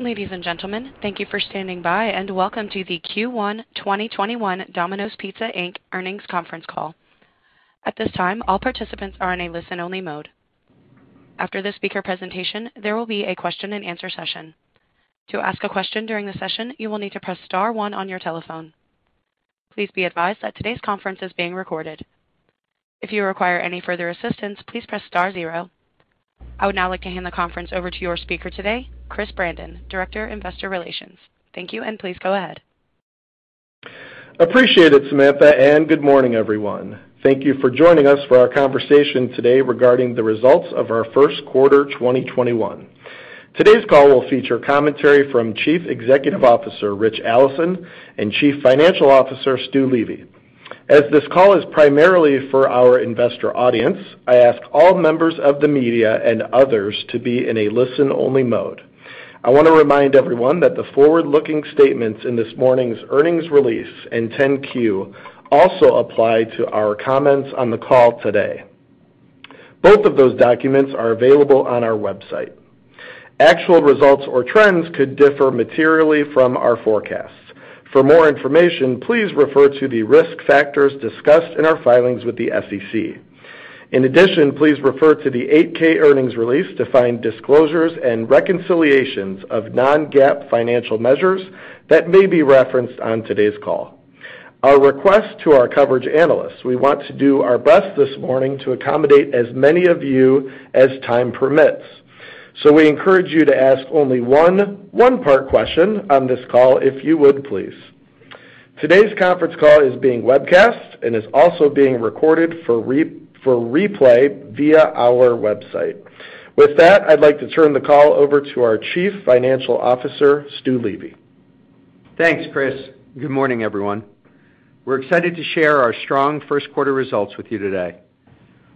Ladies and gentlemen, thank you for standing by, and welcome to the Q1 2021 Domino's Pizza Inc. earnings conference call. I would now like to hand the conference over to your speaker today, Chris Brandon, Director, Investor Relations. Thank you, and please go ahead. Appreciate it, Samantha. Good morning, everyone. Thank you for joining us for our conversation today regarding the results of our first quarter 2021. Today's call will feature commentary from Chief Executive Officer, Ritch Allison, and Chief Financial Officer, Stu Levy. As this call is primarily for our investor audience, I ask all members of the media and others to be in a listen-only mode. I want to remind everyone that the forward-looking statements in this morning's earnings release and 10-Q also apply to our comments on the call today. Both of those documents are available on our website. Actual results or trends could differ materially from our forecasts. For more information, please refer to the risk factors discussed in our filings with the SEC. In addition, please refer to the 8-K earnings release to find disclosures and reconciliations of non-GAAP financial measures that may be referenced on today's call. Our request to our coverage analysts, we want to do our best this morning to accommodate as many of you as time permits. We encourage you to ask only one-part question on this call if you would, please. Today's conference call is being webcast and is also being recorded for replay via our website. With that, I'd like to turn the call over to our Chief Financial Officer, Stu Levy. Thanks, Chris. Good morning, everyone. We're excited to share our strong first-quarter results with you today.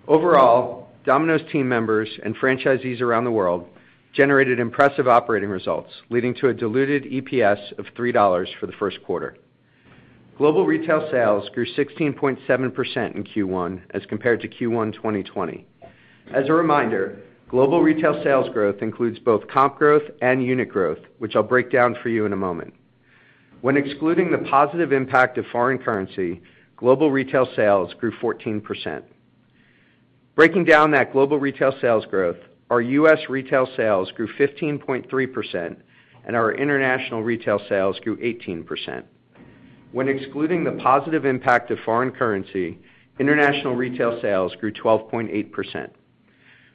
Overall, Domino's team members and franchisees around the world generated impressive operating results, leading to a diluted EPS of $3 for the first quarter. Global retail sales grew 16.7% in Q1 as compared to Q1 2020. As a reminder, global retail sales growth includes both comp growth and unit growth, which I'll break down for you in a moment. When excluding the positive impact of foreign currency, global retail sales grew 14%. Breaking down that global retail sales growth, our U.S. retail sales grew 15.3%, and our international retail sales grew 18%. When excluding the positive impact of foreign currency, international retail sales grew 12.8%.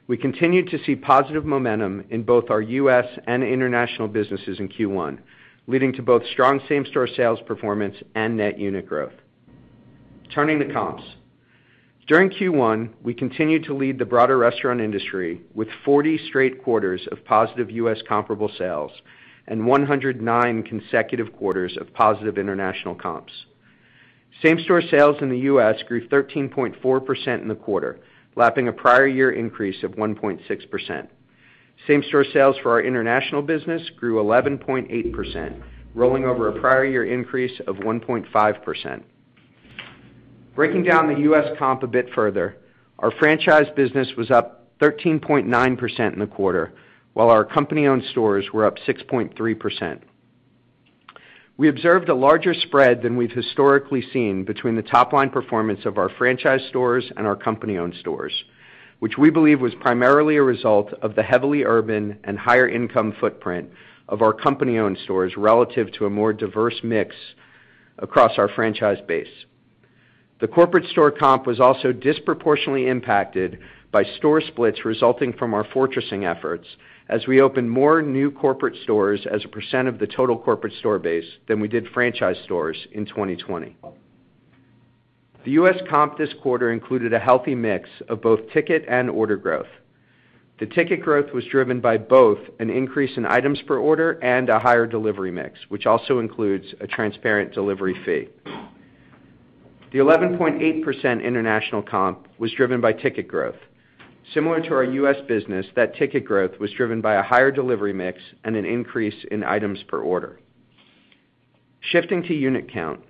We continued to see positive momentum in both our U.S. and international businesses in Q1, leading to both strong same-store sales performance and net unit growth. Turning to comps. During Q1, we continued to lead the broader restaurant industry with 40 straight quarters of positive U.S. comparable sales and 109 consecutive quarters of positive international comps. Same-store sales in the U.S. grew 13.4% in the quarter, lapping a prior year increase of 1.6%. Same-store sales for our international business grew 11.8%, rolling over a prior year increase of 1.5%. Breaking down the U.S. comp a bit further, our franchise business was up 13.9% in the quarter, while our company-owned stores were up 6.3%. We observed a larger spread than we've historically seen between the top-line performance of our franchise stores and our company-owned stores, which we believe was primarily a result of the heavily urban and higher income footprint of our company-owned stores relative to a more diverse mix across our franchise base. The corporate store comp was also disproportionately impacted by store splits resulting from our fortressing efforts as we opened more new corporate stores as a percent of the total corporate store base than we did franchise stores in 2020. The U.S. comp this quarter included a healthy mix of both ticket and order growth. The ticket growth was driven by both an increase in items per order and a higher delivery mix, which also includes a transparent delivery fee. The 11.8% international comp was driven by ticket growth. Similar to our U.S. business, that ticket growth was driven by a higher delivery mix and an increase in items per order. Shifting to unit count.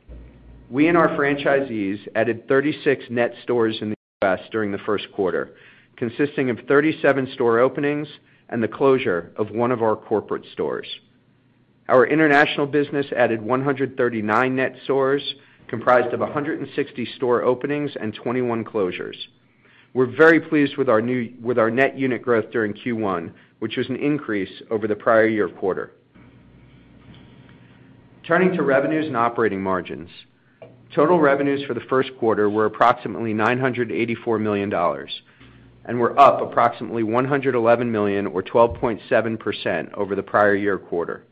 We and our franchisees added 36 net stores in the U.S. during the first quarter, consisting of 37 store openings and the closure of one of our corporate stores. Our international business added 139 net stores, comprised of 160 store openings and 21 closures. We're very pleased with our net unit growth during Q1, which was an increase over the prior year quarter. Turning to revenues and operating margins. Total revenues for the first quarter were approximately $984 million and were up approximately $111 million or 12.7% over the prior year quarter.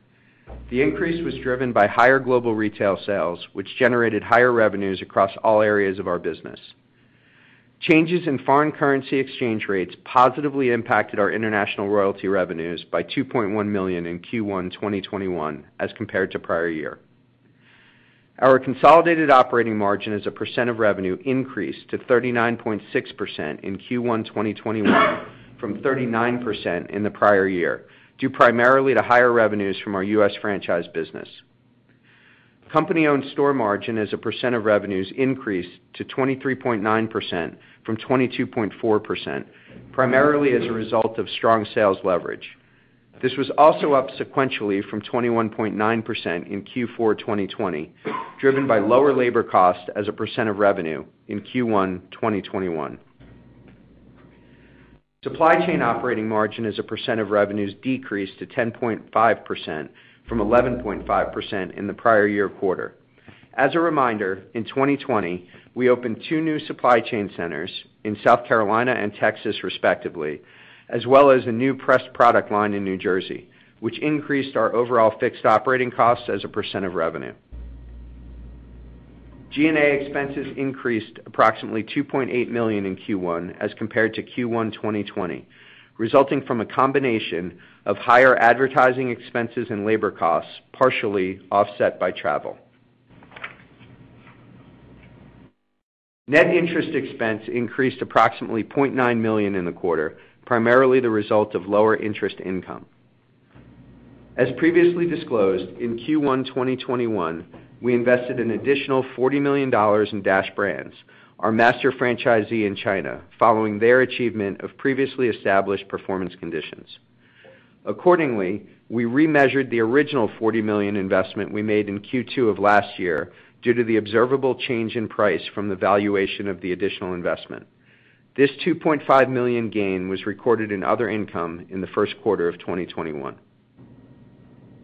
The increase was driven by higher global retail sales, which generated higher revenues across all areas of our business. Changes in foreign currency exchange rates positively impacted our international royalty revenues by $2.1 million in Q1 2021 as compared to prior year. Our consolidated operating margin as a percent of revenue increased to 39.6% in Q1 2021 from 39% in the prior year, due primarily to higher revenues from our U.S. franchise business. Company-owned store margin as a percent of revenues increased to 23.9% from 22.4%, primarily as a result of strong sales leverage. This was also up sequentially from 21.9% in Q4 2020, driven by lower labor cost as a percent of revenue in Q1 2021. Supply chain operating margin as a percent of revenues decreased to 10.5% from 11.5% in the prior year quarter. As a reminder, in 2020, we opened two new supply chain centers in South Carolina and Texas, respectively, as well as a new pressed product line in New Jersey, which increased our overall fixed operating costs as a percent of revenue. G&A expenses increased approximately $2.8 million in Q1 as compared to Q1 2020, resulting from a combination of higher advertising expenses and labor costs, partially offset by travel. Net interest expense increased approximately $0.9 million in the quarter, primarily the result of lower interest income. As previously disclosed, in Q1 2021, we invested an additional $40 million in Dash Brands, our master franchisee in China, following their achievement of previously established performance conditions. We remeasured the original $40 million investment we made in Q2 of last year due to the observable change in price from the valuation of the additional investment. This $2.5 million gain was recorded in other income in the first quarter of 2021.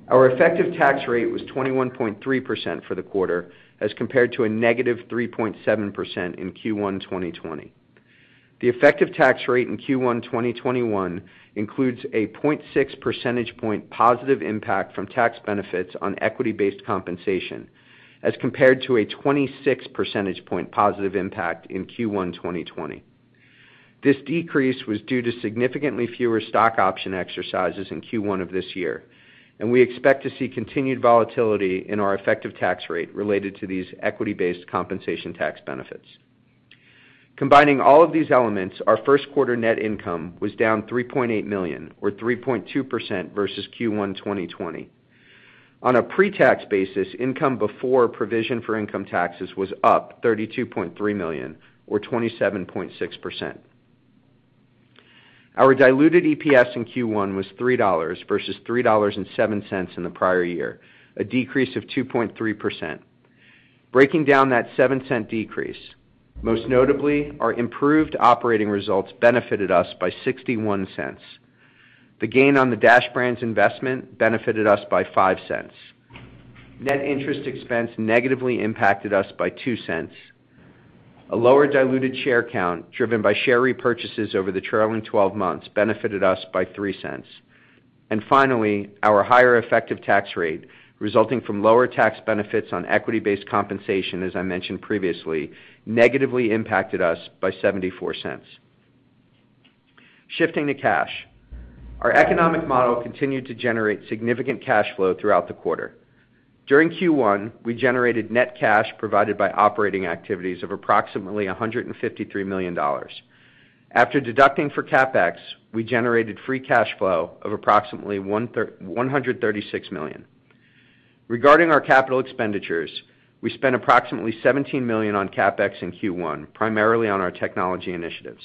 Our effective tax rate was 21.3% for the quarter, as compared to a -3.7% in Q1 2020. The effective tax rate in Q1 2021 includes a 0.6 percentage point positive impact from tax benefits on equity-based compensation, as compared to a 26 percentage point positive impact in Q1 2020. This decrease was due to significantly fewer stock option exercises in Q1 of this year, and we expect to see continued volatility in our effective tax rate related to these equity-based compensation tax benefits. Combining all of these elements, our first quarter net income was down $3.8 million or 3.2% versus Q1 2020. On a pre-tax basis, income before provision for income taxes was up $32.3 million or 27.6%. Our diluted EPS in Q1 was $3 versus $3.07 in the prior year, a decrease of 2.3%. Breaking down that $0.07 decrease, most notably, our improved operating results benefited us by $0.61. The gain on the Dash Brands investment benefited us by $0.05. Net interest expense negatively impacted us by $0.02. A lower diluted share count driven by share repurchases over the trailing 12 months benefited us by $0.03. Finally, our higher effective tax rate resulting from lower tax benefits on equity-based compensation, as I mentioned previously, negatively impacted us by $0.74. Shifting to cash. Our economic model continued to generate significant cash flow throughout the quarter. During Q1, we generated net cash provided by operating activities of approximately $153 million. After deducting for CapEx, we generated free cash flow of approximately $136 million. Regarding our capital expenditures, we spent approximately $17 million on CapEx in Q1, primarily on our technology initiatives.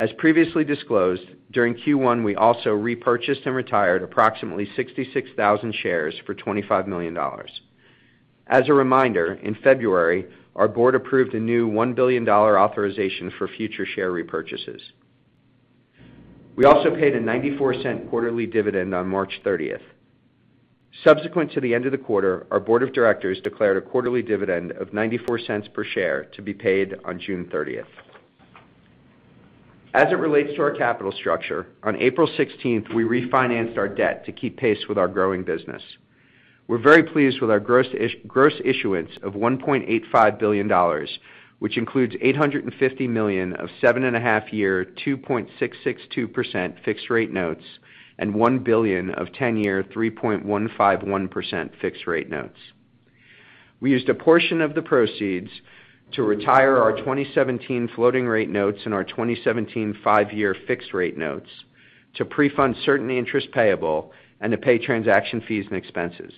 As previously disclosed, during Q1, we also repurchased and retired approximately 66,000 shares for $25 million. As a reminder, in February, our Board approved a new $1 billion authorization for future share repurchases. We also paid a $0.94 quarterly dividend on March 30th. Subsequent to the end of the quarter, our Board of Directors declared a quarterly dividend of $0.94 per share to be paid on June 30th. As it relates to our capital structure, on April 16th, we refinanced our debt to keep pace with our growing business. We are very pleased with our gross issuance of $1.85 billion, which includes $850 million of 7.5-year, 2.662% fixed rate notes and $1 billion of 10-year, 3.151% fixed rate notes. We used a portion of the proceeds to retire our 2017 floating rate notes and our 2017 five-year fixed rate notes to pre-fund certain interest payable and to pay transaction fees and expenses.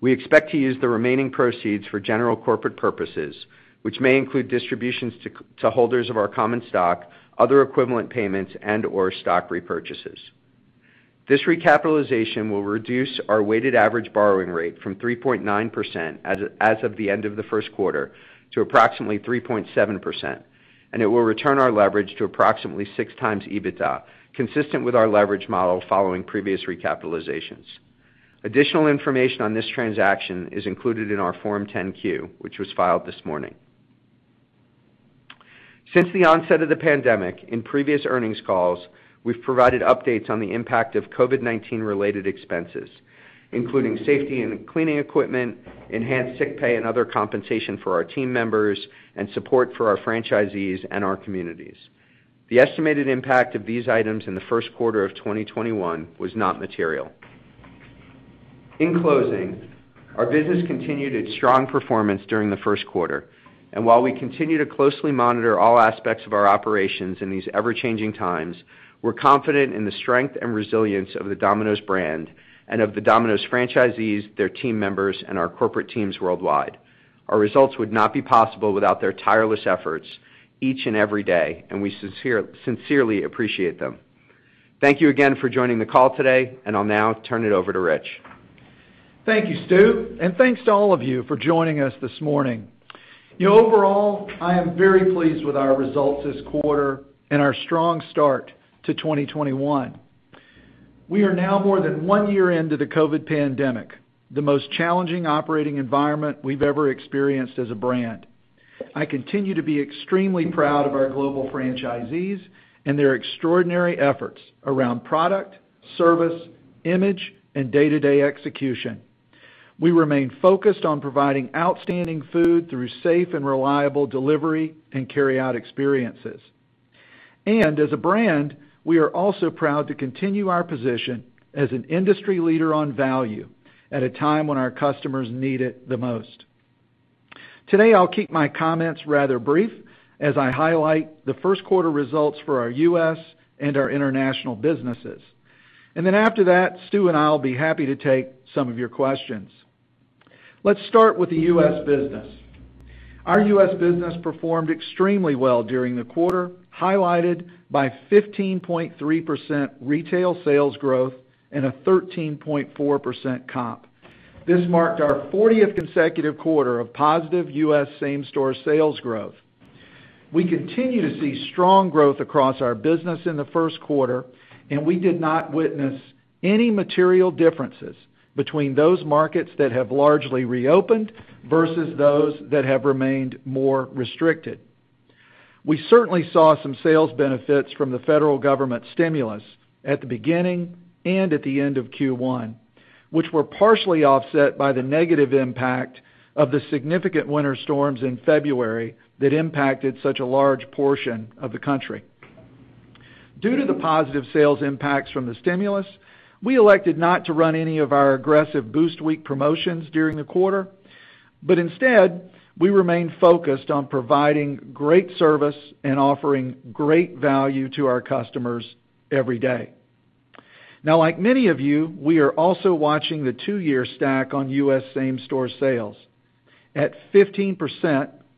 We expect to use the remaining proceeds for general corporate purposes, which may include distributions to holders of our common stock, other equivalent payments, and/or stock repurchases. This recapitalization will reduce our weighted average borrowing rate from 3.9% as of the end of the first quarter to approximately 3.7%, and it will return our leverage to approximately 6x EBITDA, consistent with our leverage model following previous recapitalizations. Additional information on this transaction is included in our Form 10-Q, which was filed this morning. Since the onset of the pandemic, in previous earnings calls, we've provided updates on the impact of COVID-19 related expenses, including safety and cleaning equipment, enhanced sick pay and other compensation for our team members, and support for our franchisees and our communities. The estimated impact of these items in the first quarter of 2021 was not material. In closing, our business continued its strong performance during the first quarter. While we continue to closely monitor all aspects of our operations in these ever-changing times, we're confident in the strength and resilience of the Domino's brand and of the Domino's franchisees, their team members, and our corporate teams worldwide. Our results would not be possible without their tireless efforts each and every day, and we sincerely appreciate them. Thank you again for joining the call today, and I'll now turn it over to Ritch. Thank you, Stu, and thanks to all of you for joining us this morning. Overall, I am very pleased with our results this quarter and our strong start to 2021. We are now more than one year into the COVID pandemic, the most challenging operating environment we've ever experienced as a brand. I continue to be extremely proud of our global franchisees and their extraordinary efforts around product, service, image, and day-to-day execution. We remain focused on providing outstanding food through safe and reliable delivery and carryout experiences. As a brand, we are also proud to continue our position as an industry leader on value at a time when our customers need it the most. Today, I'll keep my comments rather brief as I highlight the first quarter results for our U.S. and our international businesses. Then after that, Stu and I will be happy to take some of your questions. Let's start with the U.S. business. Our U.S. business performed extremely well during the quarter, highlighted by 15.3% retail sales growth and a 13.4% comp. This marked our 40th consecutive quarter of positive U.S. same-store sales growth. We continue to see strong growth across our business in the first quarter, and we did not witness any material differences between those markets that have largely reopened versus those that have remained more restricted. We certainly saw some sales benefits from the federal government stimulus at the beginning and at the end of Q1, which were partially offset by the negative impact of the significant winter storms in February that impacted such a large portion of the country. Due to the positive sales impacts from the stimulus, we elected not to run any of our aggressive Boost Week promotions during the quarter, but instead, we remained focused on providing great service and offering great value to our customers every day. Now, like many of you, we are also watching the two-year stack on U.S. same-store sales. At 15%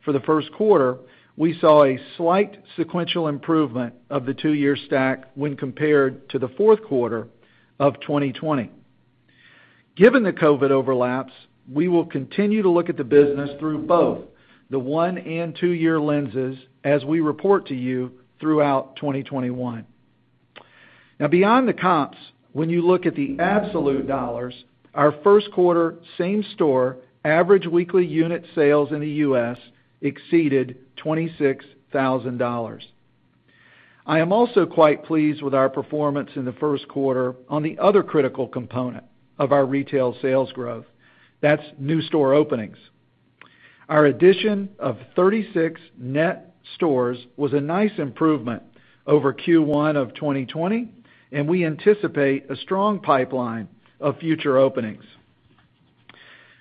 for the first quarter, we saw a slight sequential improvement of the two-year stack when compared to the fourth quarter of 2020. Given the COVID overlaps, we will continue to look at the business through both the one and two-year lenses as we report to you throughout 2021. Now beyond the comps, when you look at the absolute dollars, our first quarter same-store average weekly unit sales in the U.S. exceeded $26,000. I am also quite pleased with our performance in the first quarter on the other critical component of our retail sales growth. That's new store openings. Our addition of 36 net stores was a nice improvement over Q1 2020, and we anticipate a strong pipeline of future openings.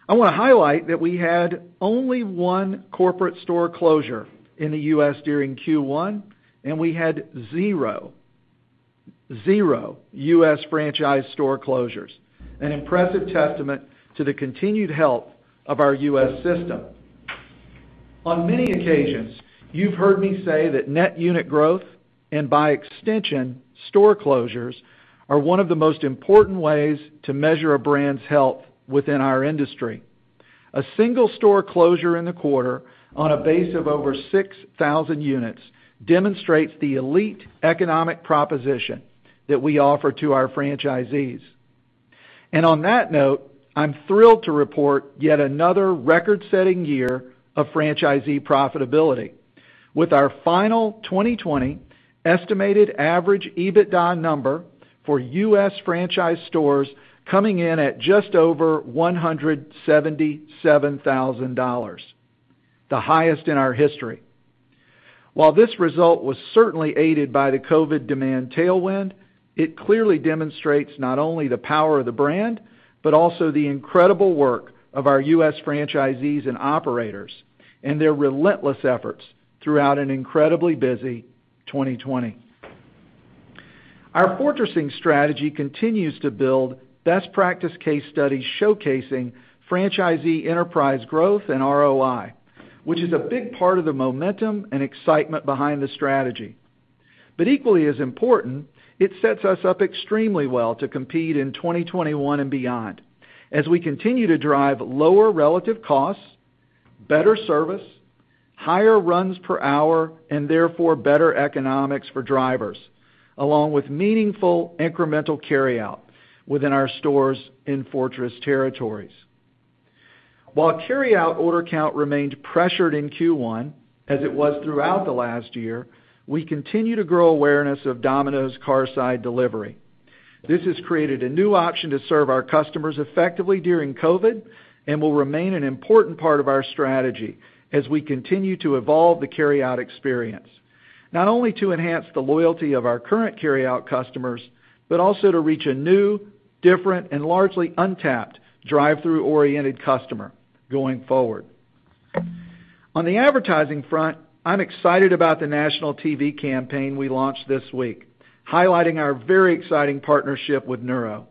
I want to highlight that we had only one corporate store closure in the U.S. during Q1, and we had zero, zero U.S. franchise store closures, an impressive testament to the continued health of our U.S. system. On many occasions, you've heard me say that net unit growth, and by extension, store closures, are one of the most important ways to measure a brand's health within our industry. A single store closure in the quarter on a base of over 6,000 units demonstrates the elite economic proposition that we offer to our franchisees. On that note, I'm thrilled to report yet another record-setting year of franchisee profitability with our final 2020 estimated average EBITDA number for U.S. franchise stores coming in at just over $177,000, the highest in our history. While this result was certainly aided by the COVID demand tailwind, it clearly demonstrates not only the power of the brand, but also the incredible work of our U.S. franchisees and operators and their relentless efforts throughout an incredibly busy 2020. Our fortressing strategy continues to build best practice case studies showcasing franchisee enterprise growth and ROI, which is a big part of the momentum and excitement behind the strategy. Equally as important, it sets us up extremely well to compete in 2021 and beyond as we continue to drive lower relative costs, better service, higher runs per hour, and therefore better economics for drivers, along with meaningful incremental carryout within our stores in fortress territories. While carryout order count remained pressured in Q1, as it was throughout the last year, we continue to grow awareness of Domino's Carside Delivery. This has created a new option to serve our customers effectively during COVID and will remain an important part of our strategy as we continue to evolve the carryout experience, not only to enhance the loyalty of our current carryout customers, but also to reach a new, different and largely untapped drive-thru oriented customer going forward. On the advertising front, I'm excited about the national TV campaign we launched this week, highlighting our very exciting partnership with Nuro.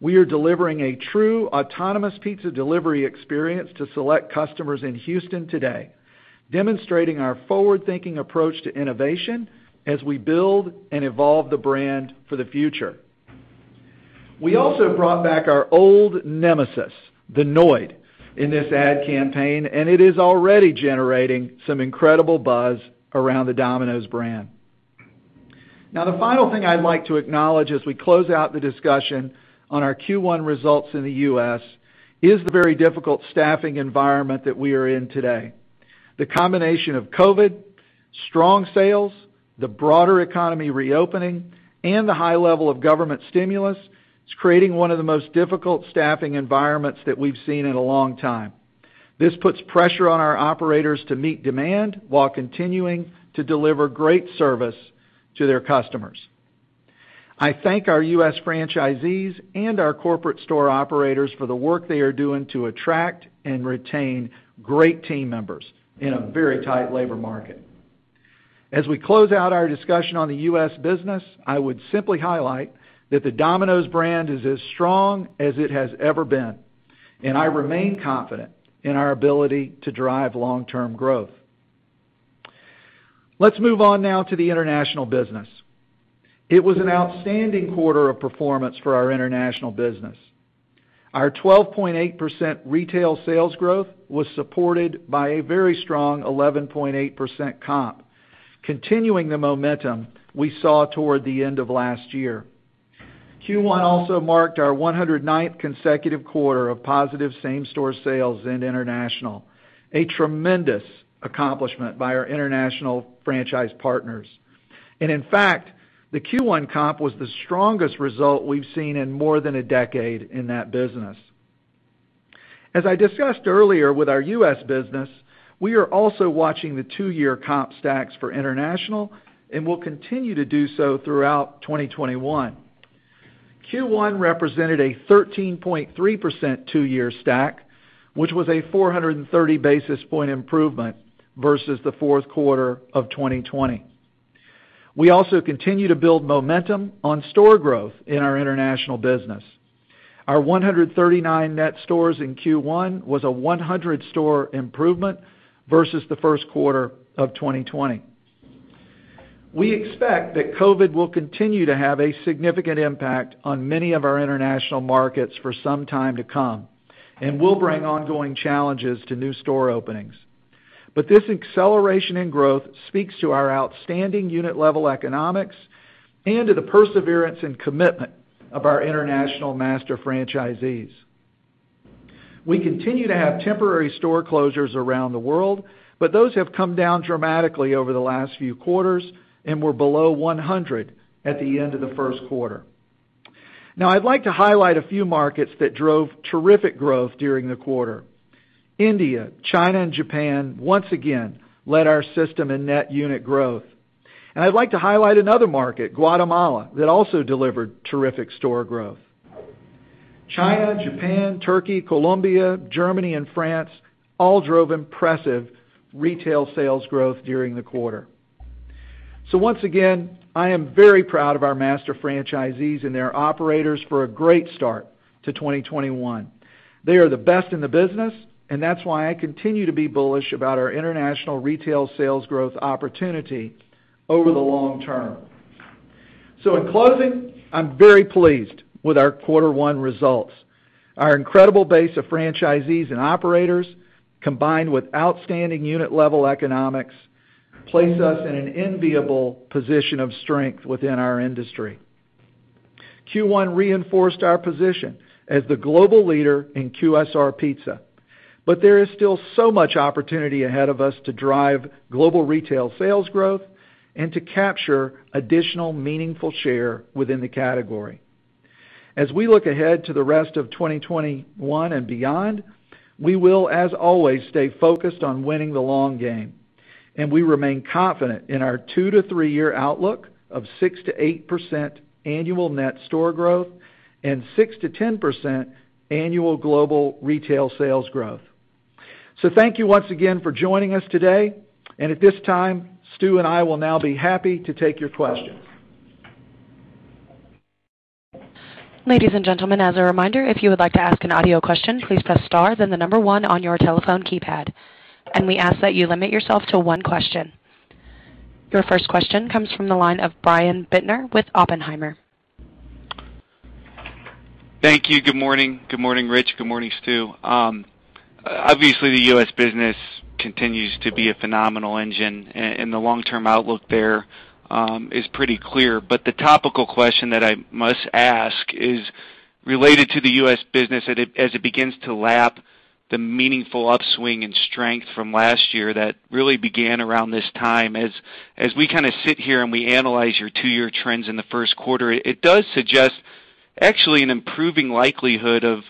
We are delivering a true autonomous pizza delivery experience to select customers in Houston today, demonstrating our forward-thinking approach to innovation as we build and evolve the brand for the future. We also brought back our old nemesis, the Noid, in this ad campaign, and it is already generating some incredible buzz around the Domino's brand. The final thing I'd like to acknowledge as we close out the discussion on our Q1 results in the U.S. is the very difficult staffing environment that we are in today. The combination of COVID, strong sales, the broader economy reopening, and the high level of government stimulus is creating one of the most difficult staffing environments that we've seen in a long time. This puts pressure on our operators to meet demand while continuing to deliver great service to their customers. I thank our U.S. franchisees and our corporate store operators for the work they are doing to attract and retain great team members in a very tight labor market. As we close out our discussion on the U.S. business, I would simply highlight that the Domino's brand is as strong as it has ever been. I remain confident in our ability to drive long-term growth. Let's move on now to the international business. It was an outstanding quarter of performance for our international business. Our 12.8% retail sales growth was supported by a very strong 11.8% comp, continuing the momentum we saw toward the end of last year. Q1 also marked our 109th consecutive quarter of positive same-store sales in international, a tremendous accomplishment by our international franchise partners. In fact, the Q1 comp was the strongest result we've seen in more than one decade in that business. As I discussed earlier with our U.S. business, we are also watching the two-year comp stacks for international and will continue to do so throughout 2021. Q1 represented a 13.3% two-year stack, which was a 430 basis point improvement versus the fourth quarter of 2020. We also continue to build momentum on store growth in our international business. Our 139 net stores in Q1 was a 100-store improvement versus the first quarter of 2020. We expect that COVID will continue to have a significant impact on many of our international markets for some time to come and will bring ongoing challenges to new store openings. This acceleration in growth speaks to our outstanding unit-level economics and to the perseverance and commitment of our international master franchisees. We continue to have temporary store closures around the world, but those have come down dramatically over the last few quarters and were below 100 at the end of the first quarter. I'd like to highlight a few markets that drove terrific growth during the quarter. India, China, and Japan once again led our system in net unit growth. I'd like to highlight another market, Guatemala, that also delivered terrific store growth. China, Japan, Turkey, Colombia, Germany, and France all drove impressive retail sales growth during the quarter. Once again, I am very proud of our master franchisees and their operators for a great start to 2021. They are the best in the business, and that's why I continue to be bullish about our international retail sales growth opportunity over the long term. In closing, I'm very pleased with our quarter one results. Our incredible base of franchisees and operators, combined with outstanding unit-level economics, place us in an enviable position of strength within our industry. Q1 reinforced our position as the global leader in QSR pizza. There is still so much opportunity ahead of us to drive global retail sales growth and to capture additional meaningful share within the category. As we look ahead to the rest of 2021 and beyond, we will, as always, stay focused on winning the long game, and we remain confident in our two to three-year outlook of 6%-8% annual net store growth and 6%-10% annual global retail sales growth. Thank you once again for joining us today. At this time, Stu and I will now be happy to take your questions. Ladies and gentlemen, as a reminder, if you would like to ask an audio question, please press star then the number one on your telephone keypad. We ask that you limit yourself to one question. Your first question comes from the line of Brian Bittner with Oppenheimer. Thank you. Good morning. Good morning, Ritch. Good morning, Stu. Obviously, the U.S. business continues to be a phenomenal engine, and the long-term outlook there is pretty clear. The topical question that I must ask is related to the U.S. business as it begins to lap the meaningful upswing in strength from last year that really began around this time. As we kind of sit here and we analyze your two-year trends in the first quarter, it does suggest actually an improving likelihood of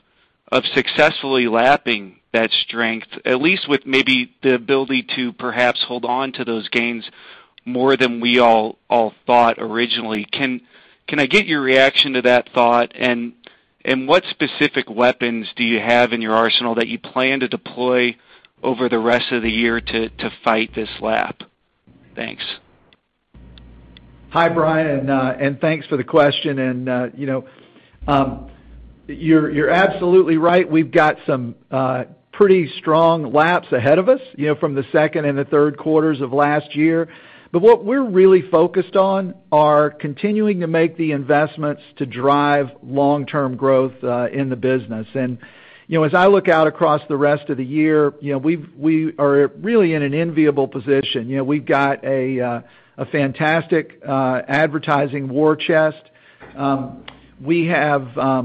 successfully lapping that strength, at least with maybe the ability to perhaps hold on to those gains more than we all thought originally. Can I get your reaction to that thought. What specific weapons do you have in your arsenal that you plan to deploy over the rest of the year to fight this lap? Thanks. Hi, Brian. Thanks for the question. You're absolutely right. We've got some pretty strong laps ahead of us from the second and the third quarters of last year. What we're really focused on are continuing to make the investments to drive long-term growth in the business. As I look out across the rest of the year, we are really in an enviable position. We've got a fantastic advertising war chest. We have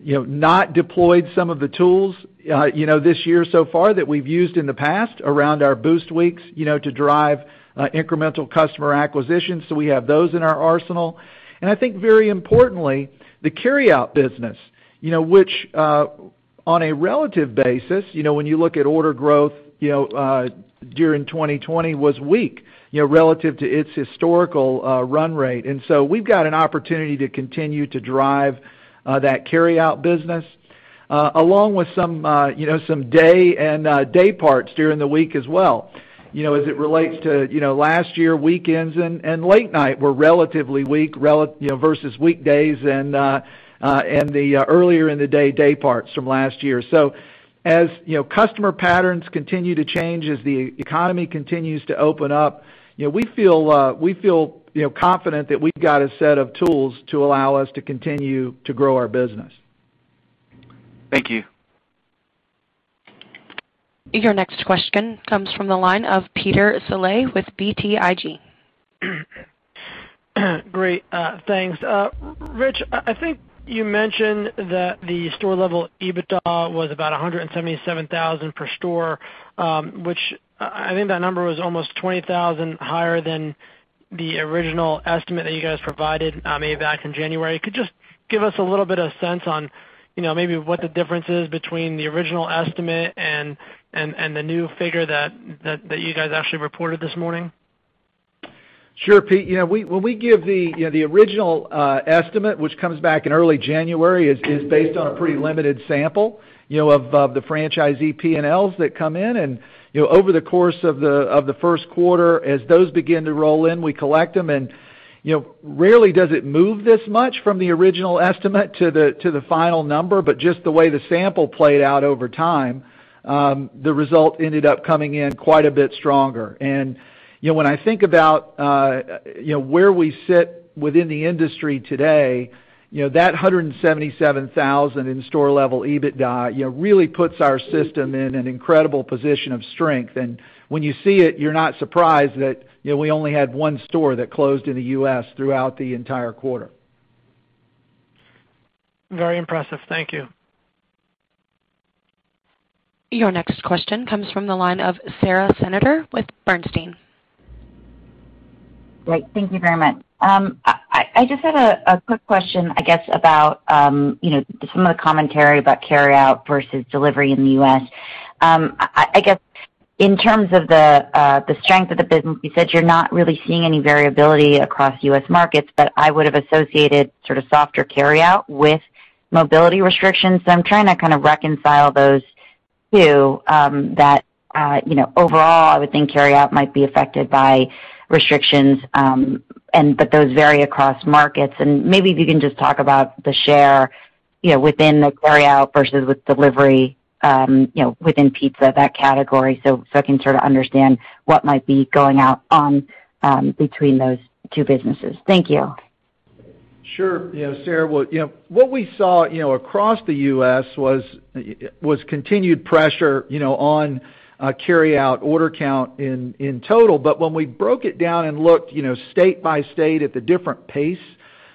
not deployed some of the tools this year so far that we've used in the past around our Boost Weeks, to drive incremental customer acquisition. We have those in our arsenal. I think very importantly, the carryout business, which, on a relative basis when you look at order growth, during 2020 was weak, relative to its historical run-rate. We've got an opportunity to continue to drive that carryout business, along with some day and day parts during the week as well. As it relates to last year, weekends and late night were relatively weak versus weekdays and the earlier in the day parts from last year. As customer patterns continue to change, as the economy continues to open up, we feel confident that we've got a set of tools to allow us to continue to grow our business. Thank you. Your next question comes from the line of Peter Saleh with BTIG. Great, thanks. Ritch, I think you mentioned that the store level EBITDA was about $177,000 per store, which I think that number was almost $20,000 higher than the original estimate that you guys provided maybe back in January. Could you just give us a little bit of sense on maybe what the difference is between the original estimate and the new figure that you guys actually reported this morning? Sure, Peter. When we give the original estimate, which comes back in early January, is based on a pretty limited sample of the franchisee P&Ls that come in. Over the course of the first quarter, as those begin to roll in, we collect them and rarely does it move this much from the original estimate to the final number. Just the way the sample played out over time, the result ended up coming in quite a bit stronger. When I think about where we sit within the industry today, that $177,000 in store level EBITDA really puts our system in an incredible position of strength. When you see it, you're not surprised that we only had one store that closed in the U.S. throughout the entire quarter. Very impressive. Thank you. Your next question comes from the line of Sara Senatore with Bernstein. Great. Thank you very much. I just had a quick question, I guess about some of the commentary about carryout versus delivery in the U.S.. I guess in terms of the strength of the business, you said you're not really seeing any variability across U.S. markets, but I would have associated sort of softer carryout with mobility restrictions. I'm trying to kind of reconcile those two that overall I would think carryout might be affected by restrictions, but those vary across markets. Maybe if you can just talk about the share within the carryout versus with delivery within pizza, that category, so I can sort of understand what might be going out between those two businesses. Thank you. Sure. Yeah, Sara. What we saw across the U.S. was continued pressure on carryout order count in total. When we broke it down and looked state-by-state at the different pace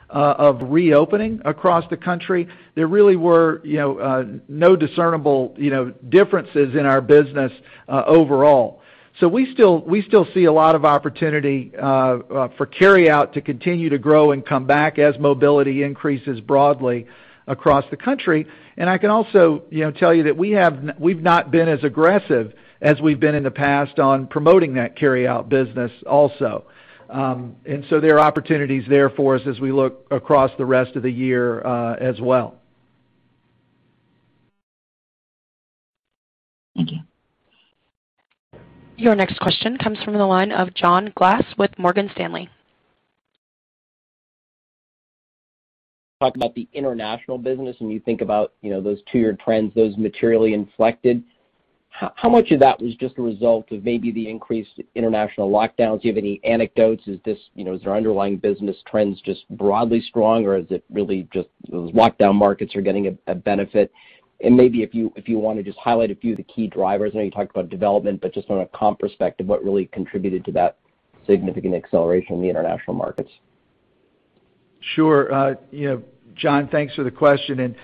of reopening across the country, there really were no discernible differences in our business overall. We still see a lot of opportunity for carryout to continue to grow and come back as mobility increases broadly across the country. I can also tell you that we've not been as aggressive as we've been in the past on promoting that carryout business also. There are opportunities there for us as we look across the rest of the year as well. Thank you. Your next question comes from the line of John Glass with Morgan Stanley. Talk about the international business, and you think about those two-year trends, those materially inflected. How much of that was just a result of maybe the increased international lockdowns? Do you have any anecdotes? Is their underlying business trends just broadly strong, or is it really just those lockdown markets are getting a benefit? Maybe if you want to just highlight a few of the key drivers. I know you talked about development, but just from a comp perspective, what really contributed to that significant acceleration in the international markets? Sure. John, thanks for the question.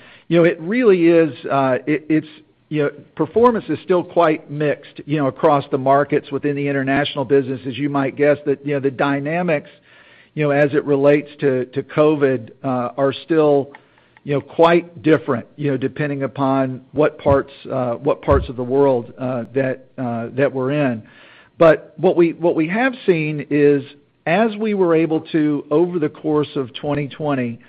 Performance is still quite mixed across the markets within the international business. As you might guess, the dynamics as it relates to COVID, are still quite different, depending upon what parts of the world that we're in. What we have seen is as we were able to, over the course of 2020,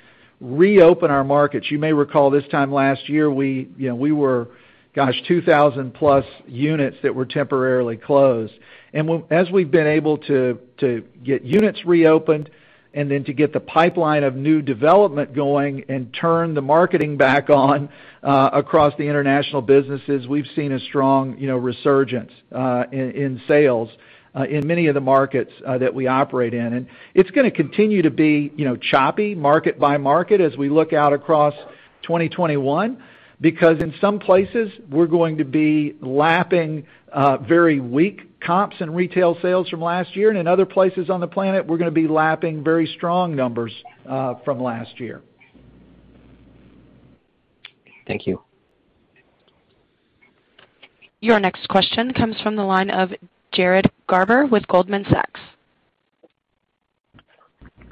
reopen our markets, you may recall this time last year we were, gosh, 2,000+ units that were temporarily closed. As we've been able to get units reopened and then to get the pipeline of new development going and turn the marketing back on across the international businesses, we've seen a strong resurgence in sales in many of the markets that we operate in. It's going to continue to be choppy market-by-market as we look out across 2021, because in some places, we're going to be lapping very weak comps and retail sales from last year. In other places on the planet, we're going to be lapping very strong numbers from last year. Thank you. Your next question comes from the line of Jared Garber with Goldman Sachs.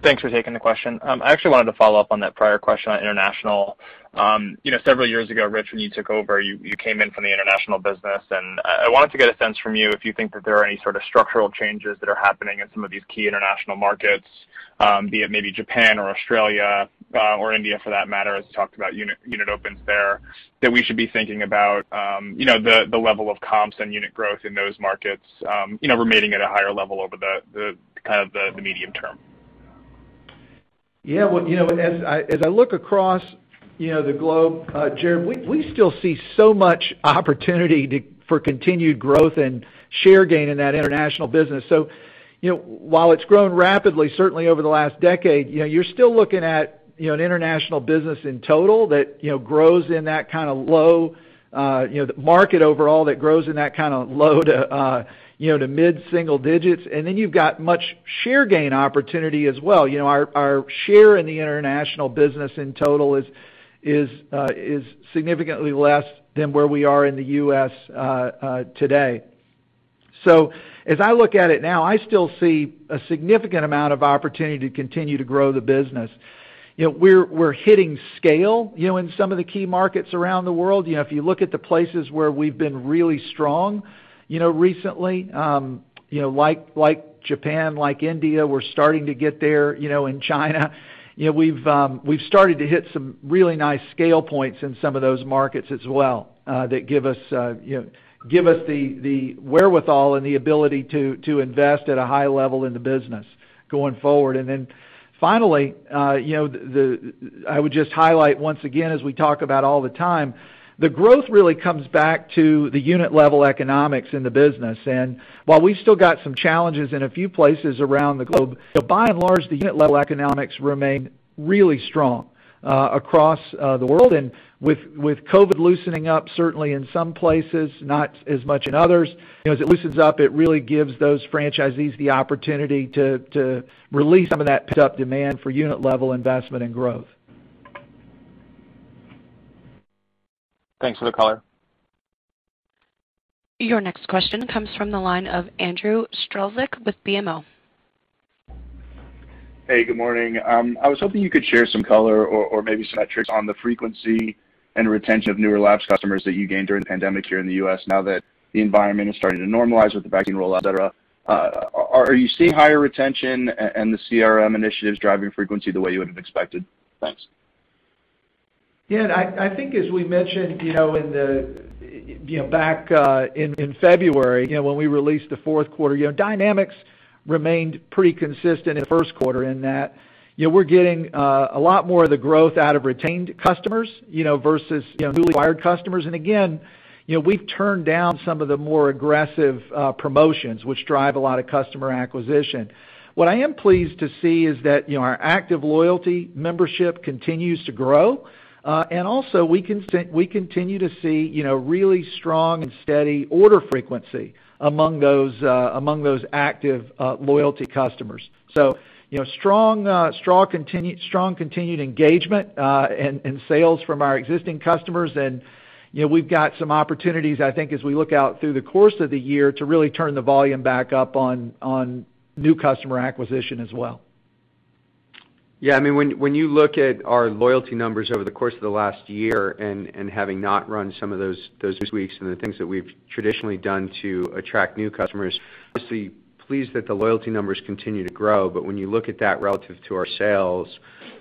Thanks for taking the question. I actually wanted to follow up on that prior question on international. Several years ago, Ritch, when you took over, you came in from the international business. I wanted to get a sense from you if you think that there are any sort of structural changes that are happening in some of these key international markets, be it maybe Japan or Australia, or India for that matter, as you talked about unit opens there, that we should be thinking about the level of comps and unit growth in those markets remaining at a higher level over the medium term. Yeah. As I look across the globe, Jared, we still see so much opportunity for continued growth and share gain in that international business. While it's grown rapidly, certainly over the last decade, you're still looking at an international business in total that grows in that kind of low-- The market overall that grows in that kind of low to mid-single digits. Then you've got much share gain opportunity as well. Our share in the international business in total is significantly less than where we are in the U.S. today. As I look at it now, I still see a significant amount of opportunity to continue to grow the business. We're hitting scale in some of the key markets around the world. If you look at the places where we've been really strong recently, like Japan, like India, we're starting to get there in China. We've started to hit some really nice scale points in some of those markets as well, that give us the wherewithal and the ability to invest at a high level in the business going forward. Finally, I would just highlight once again, as we talk about all the time, the growth really comes back to the unit level economics in the business. While we've still got some challenges in a few places around the globe, by and large, the unit level economics remain really strong across the world. With COVID loosening up, certainly in some places, not as much in others, as it loosens up, it really gives those franchisees the opportunity to release some of that pent-up demand for unit level investment and growth. Thanks for the color. Your next question comes from the line of Andrew Strelzik with BMO. Hey, good morning. I was hoping you could share some color or maybe some metrics on the frequency and retention of newer lapsed customers that you gained during the pandemic here in the U.S. now that the environment is starting to normalize with the vaccine rollout, et cetera. Are you seeing higher retention and the CRM initiatives driving frequency the way you would have expected? Thanks. I think as we mentioned back in February, when we released the fourth quarter, dynamics remained pretty consistent in the first quarter in that we're getting a lot more of the growth out of retained customers versus newly acquired customers. Again, we've turned down some of the more aggressive promotions, which drive a lot of customer acquisition. What I am pleased to see is that our active loyalty membership continues to grow. Also, we continue to see really strong and steady order frequency among those active loyalty customers. So strong continued engagement and sales from our existing customers and we've got some opportunities, I think, as we look out through the course of the year to really turn the volume back up on new customer acquisition as well. When you look at our loyalty numbers over the course of the last year and having not run some of those weeks and the things that we've traditionally done to attract new customers, obviously pleased that the loyalty numbers continue to grow. When you look at that relative to our sales,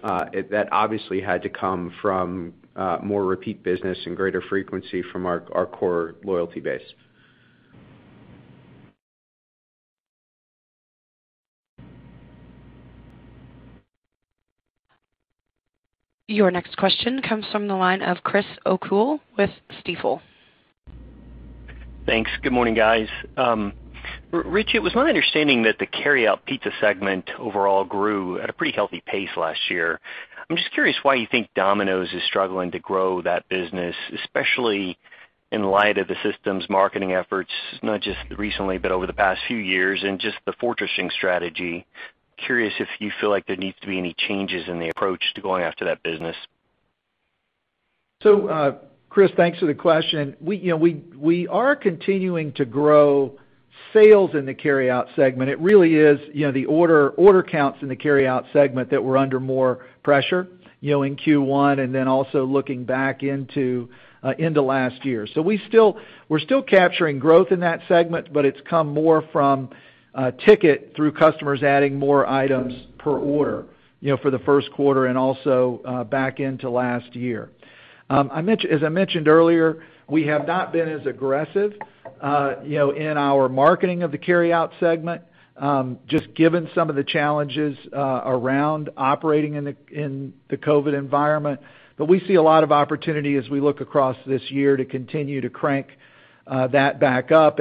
that obviously had to come from more repeat business and greater frequency from our core loyalty base. Your next question comes from the line of Chris O'Cull with Stifel. Thanks. Good morning, guys. Ritch, it was my understanding that the carryout pizza segment overall grew at a pretty healthy pace last year. I'm just curious why you think Domino's is struggling to grow that business, especially in light of the system's marketing efforts, not just recently, but over the past few years, and just the fortressing strategy. Curious if you feel like there needs to be any changes in the approach to going after that business. Chris, thanks for the question. We are continuing to grow sales in the Carryout segment. It really is the order counts in the Carryout segment that were under more pressure in Q1 and then also looking back into last year. We're still capturing growth in that segment, but it's come more from a ticket through customers adding more items per order for the first quarter and also back into last year. As I mentioned earlier, we have not been as aggressive in our marketing of the Carryout segment, just given some of the challenges around operating in the COVID environment. We see a lot of opportunity as we look across this year to continue to crank that back up.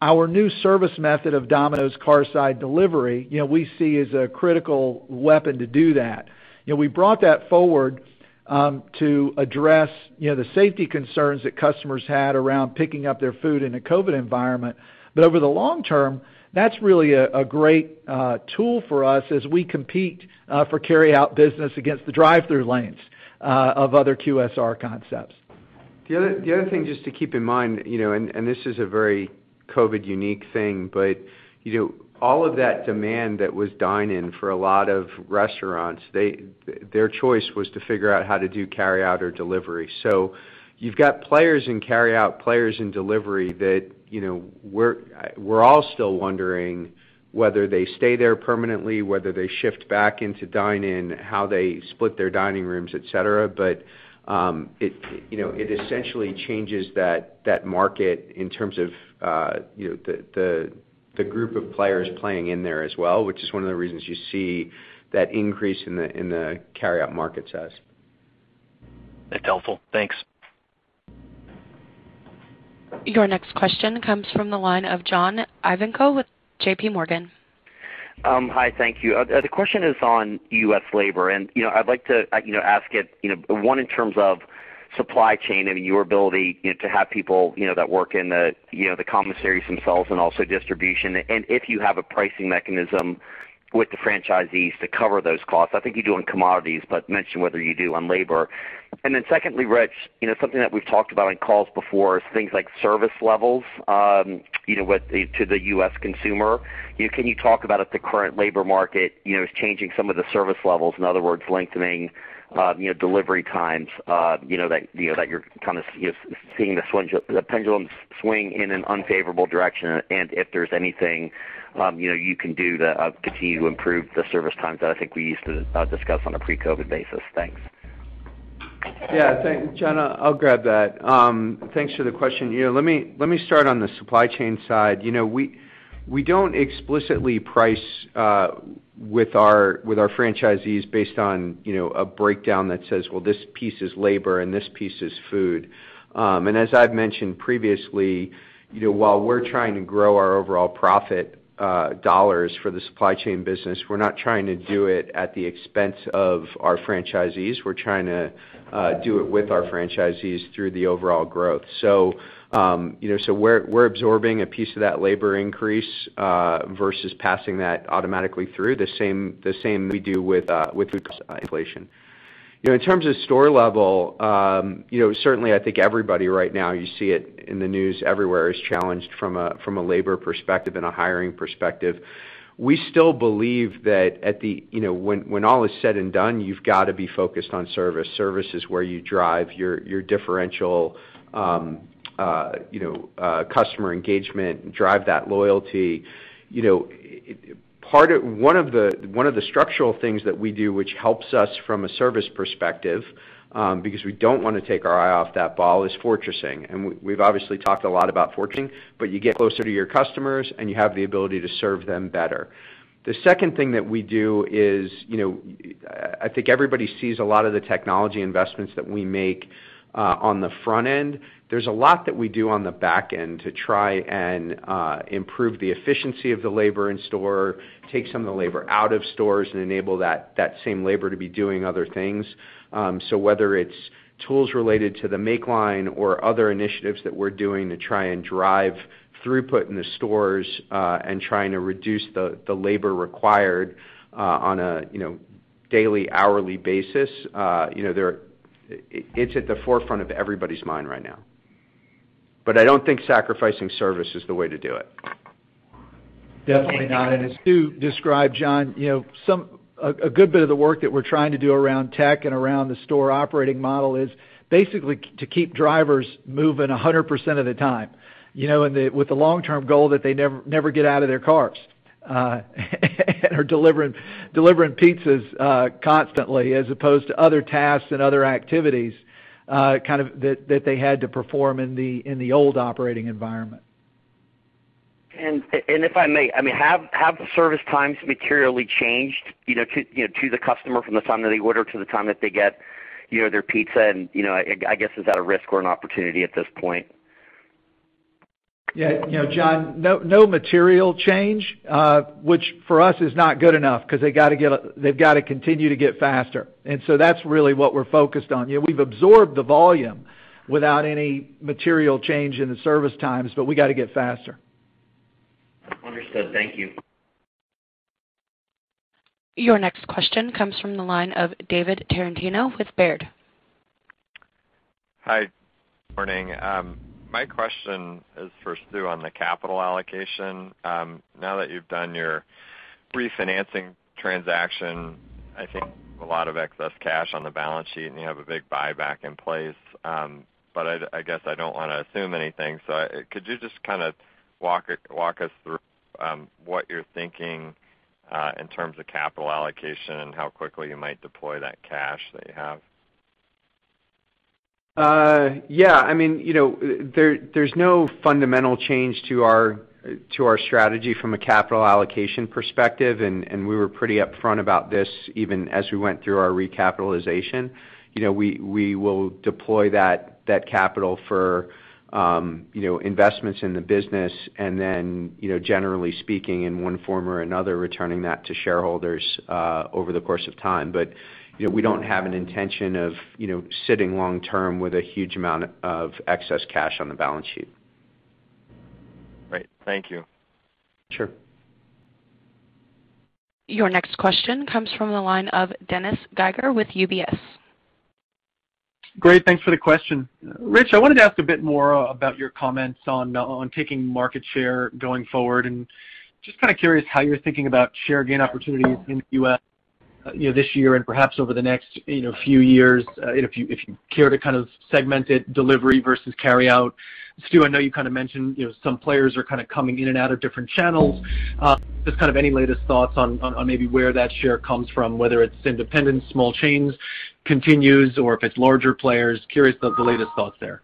Our new service method of Domino's Carside Delivery, we see as a critical weapon to do that. We brought that forward to address the safety concerns that customers had around picking up their food in a COVID environment. Over the long term, that's really a great tool for us as we compete for carryout business against the drive-through lanes of other QSR concepts. The other thing just to keep in mind. This is a very COVID unique thing. All of that demand that was dine-in for a lot of restaurants, their choice was to figure out how to do carryout or delivery. You've got players in carryout, players in delivery that we're all still wondering whether they stay there permanently, whether they shift back into dine-in, how they split their dining rooms, et cetera. It essentially changes that market in terms of the group of players playing in there as well, which is one of the reasons you see that increase in the carryout market size. That's helpful. Thanks. Your next question comes from the line of John Ivankoe with JPMorgan. Hi, thank you. The question is on U.S. labor, and I'd like to ask it, one, in terms of supply chain and your ability to have people that work in the commissaries themselves and also distribution, and if you have a pricing mechanism with the franchisees to cover those costs. I think you do on commodities, but mention whether you do on labor. Secondly, Ritch, something that we've talked about on calls before is things like service levels to the U.S. consumer. Can you talk about if the current labor market is changing some of the service levels, in other words, lengthening delivery times, that you're seeing the pendulum swing in an unfavorable direction? If there's anything you can do to continue to improve the service times that I think we used to discuss on a pre-COVID basis. Thanks. Yeah, John, I'll grab that. Thanks for the question. Let me start on the supply chain side. We don't explicitly price with our franchisees based on a breakdown that says, well, this piece is labor and this piece is food. As I've mentioned previously, while we're trying to grow our overall profit dollars for the supply chain business, we're not trying to do it at the expense of our franchisees. We're trying to do it with our franchisees through the overall growth. We're absorbing a piece of that labor increase versus passing that automatically through, the same we do with food cost inflation. In terms of store level, certainly I think everybody right now, you see it in the news everywhere, is challenged from a labor perspective and a hiring perspective. We still believe that when all is said and done, you've got to be focused on service. Service is where you drive your differential customer engagement, drive that loyalty. One of the structural things that we do, which helps us from a service perspective, because we don't want to take our eye off that ball, is fortressing. We've obviously talked a lot about fortressing, but you get closer to your customers, and you have the ability to serve them better. The second thing that we do is, I think everybody sees a lot of the technology investments that we make on the front end. There's a lot that we do on the back end to try and improve the efficiency of the labor in store, take some of the labor out of stores, and enable that same labor to be doing other things. Whether it's tools related to the make line or other initiatives that we're doing to try and drive throughput in the stores and trying to reduce the labor required on a daily, hourly basis, it's at the forefront of everybody's mind right now. I don't think sacrificing service is the way to do it. Definitely not. As Stu described, John, a good bit of the work that we're trying to do around tech and around the store operating model is basically to keep drivers moving 100% of the time. With the long-term goal that they never get out of their cars and are delivering pizzas constantly as opposed to other tasks and other activities that they had to perform in the old operating environment. If I may, have service times materially changed to the customer from the time that they order to the time that they get their pizza, and I guess, is that a risk or an opportunity at this point? Yeah. John, no material change, which for us is not good enough because they've got to continue to get faster. That's really what we're focused on. We've absorbed the volume without any material change in the service times, we got to get faster. Understood. Thank you. Your next question comes from the line of David Tarantino with Baird. Hi. Morning. My question is for Stu on the capital allocation. Now that you've done your refinancing transaction, I think a lot of excess cash on the balance sheet, and you have a big buyback in place. I guess I don't want to assume anything. Could you just kind of walk us through what you're thinking in terms of capital allocation and how quickly you might deploy that cash that you have? Yeah. There's no fundamental change to our strategy from a capital allocation perspective, and we were pretty upfront about this even as we went through our recapitalization. We will deploy that capital for investments in the business and then, generally speaking, in one form or another, returning that to shareholders over the course of time. We don't have an intention of sitting long-term with a huge amount of excess cash on the balance sheet. Great. Thank you. Sure. Your next question comes from the line of Dennis Geiger with UBS. Great. Thanks for the question. Ritch, I wanted to ask a bit more about your comments on taking market share going forward, and just kind of curious how you're thinking about share gain opportunities in the U.S. this year and perhaps over the next few years, if you care to kind of segment it, delivery versus carryout. Stu, I know you kind of mentioned some players are kind of coming in and out of different channels. Just kind of any latest thoughts on maybe where that share comes from, whether it's independent small chains continues, or if it's larger players. Curious about the latest thoughts there.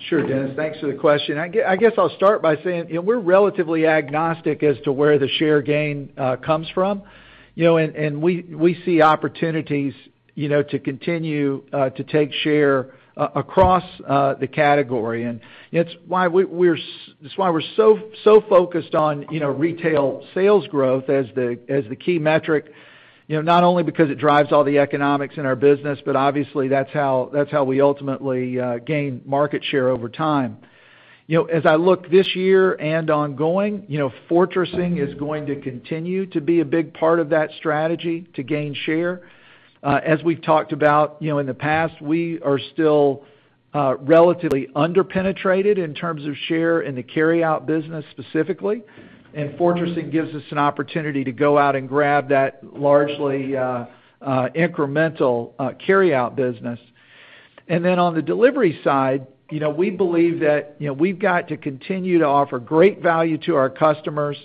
Sure, Dennis. Thanks for the question. I guess I'll start by saying we're relatively agnostic as to where the share gain comes from. We see opportunities to continue to take share across the category. It's why we're so focused on retail sales growth as the key metric, not only because it drives all the economics in our business, but obviously that's how we ultimately gain market share over time. As I look this year and ongoing, fortressing is going to continue to be a big part of that strategy to gain share. As we've talked about in the past, we are still relatively under-penetrated in terms of share in the carryout business specifically, and fortressing gives us an opportunity to go out and grab that largely incremental carryout business. Then on the delivery side, we believe that we've got to continue to offer great value to our customers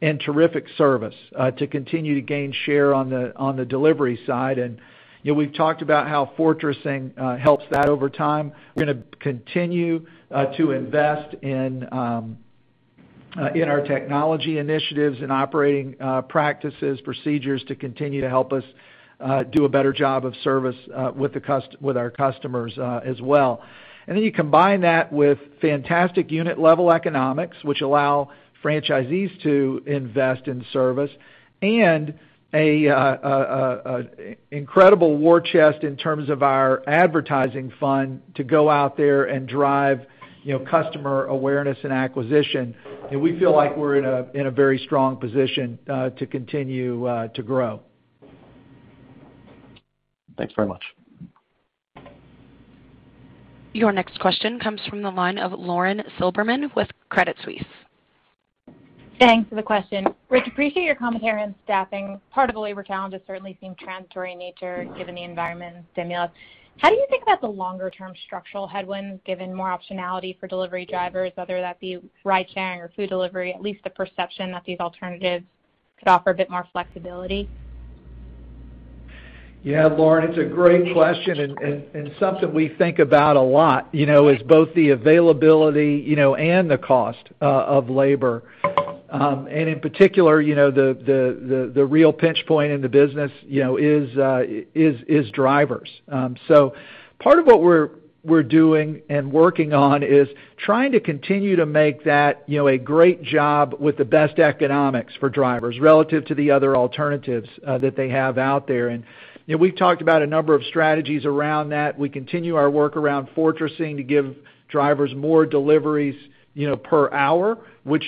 and terrific service to continue to gain share on the delivery side. We've talked about how fortressing helps that over time. We're going to continue to invest in our technology initiatives and operating practices, procedures to continue to help us do a better job of service with our customers as well. Then you combine that with fantastic unit-level economics, which allow franchisees to invest in service, and an incredible war chest in terms of our advertising fund to go out there and drive customer awareness and acquisition, and we feel like we're in a very strong position to continue to grow. Thanks very much. Your next question comes from the line of Lauren Silberman with Credit Suisse. Thanks for the question. Ritch, appreciate your comment here on staffing. Part of the labor challenge has certainly seemed transitory in nature, given the environment and stimulus. How do you think about the longer-term structural headwinds, given more optionality for delivery drivers, whether that be ride-sharing or food delivery, at least the perception that these alternatives could offer a bit more flexibility? Lauren, it's a great question and something we think about a lot is both the availability and the cost of labor. In particular, the real pinch point in the business is drivers. Part of what we're doing and working on is trying to continue to make that a great job with the best economics for drivers relative to the other alternatives that they have out there. We've talked about a number of strategies around that. We continue our work around fortressing to give drivers more deliveries per hour, which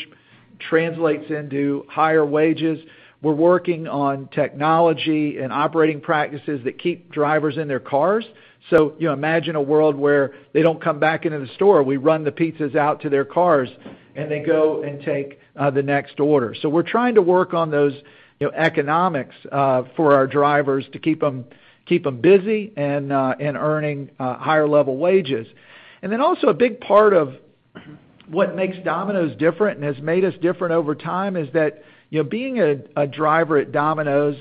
translates into higher wages. We're working on technology and operating practices that keep drivers in their cars. Imagine a world where they don't come back into the store. We run the pizzas out to their cars, and they go and take the next order. We're trying to work on those economics for our drivers to keep them busy and earning higher-level wages. Also a big part of what makes Domino's different and has made us different over time is that being a driver at Domino's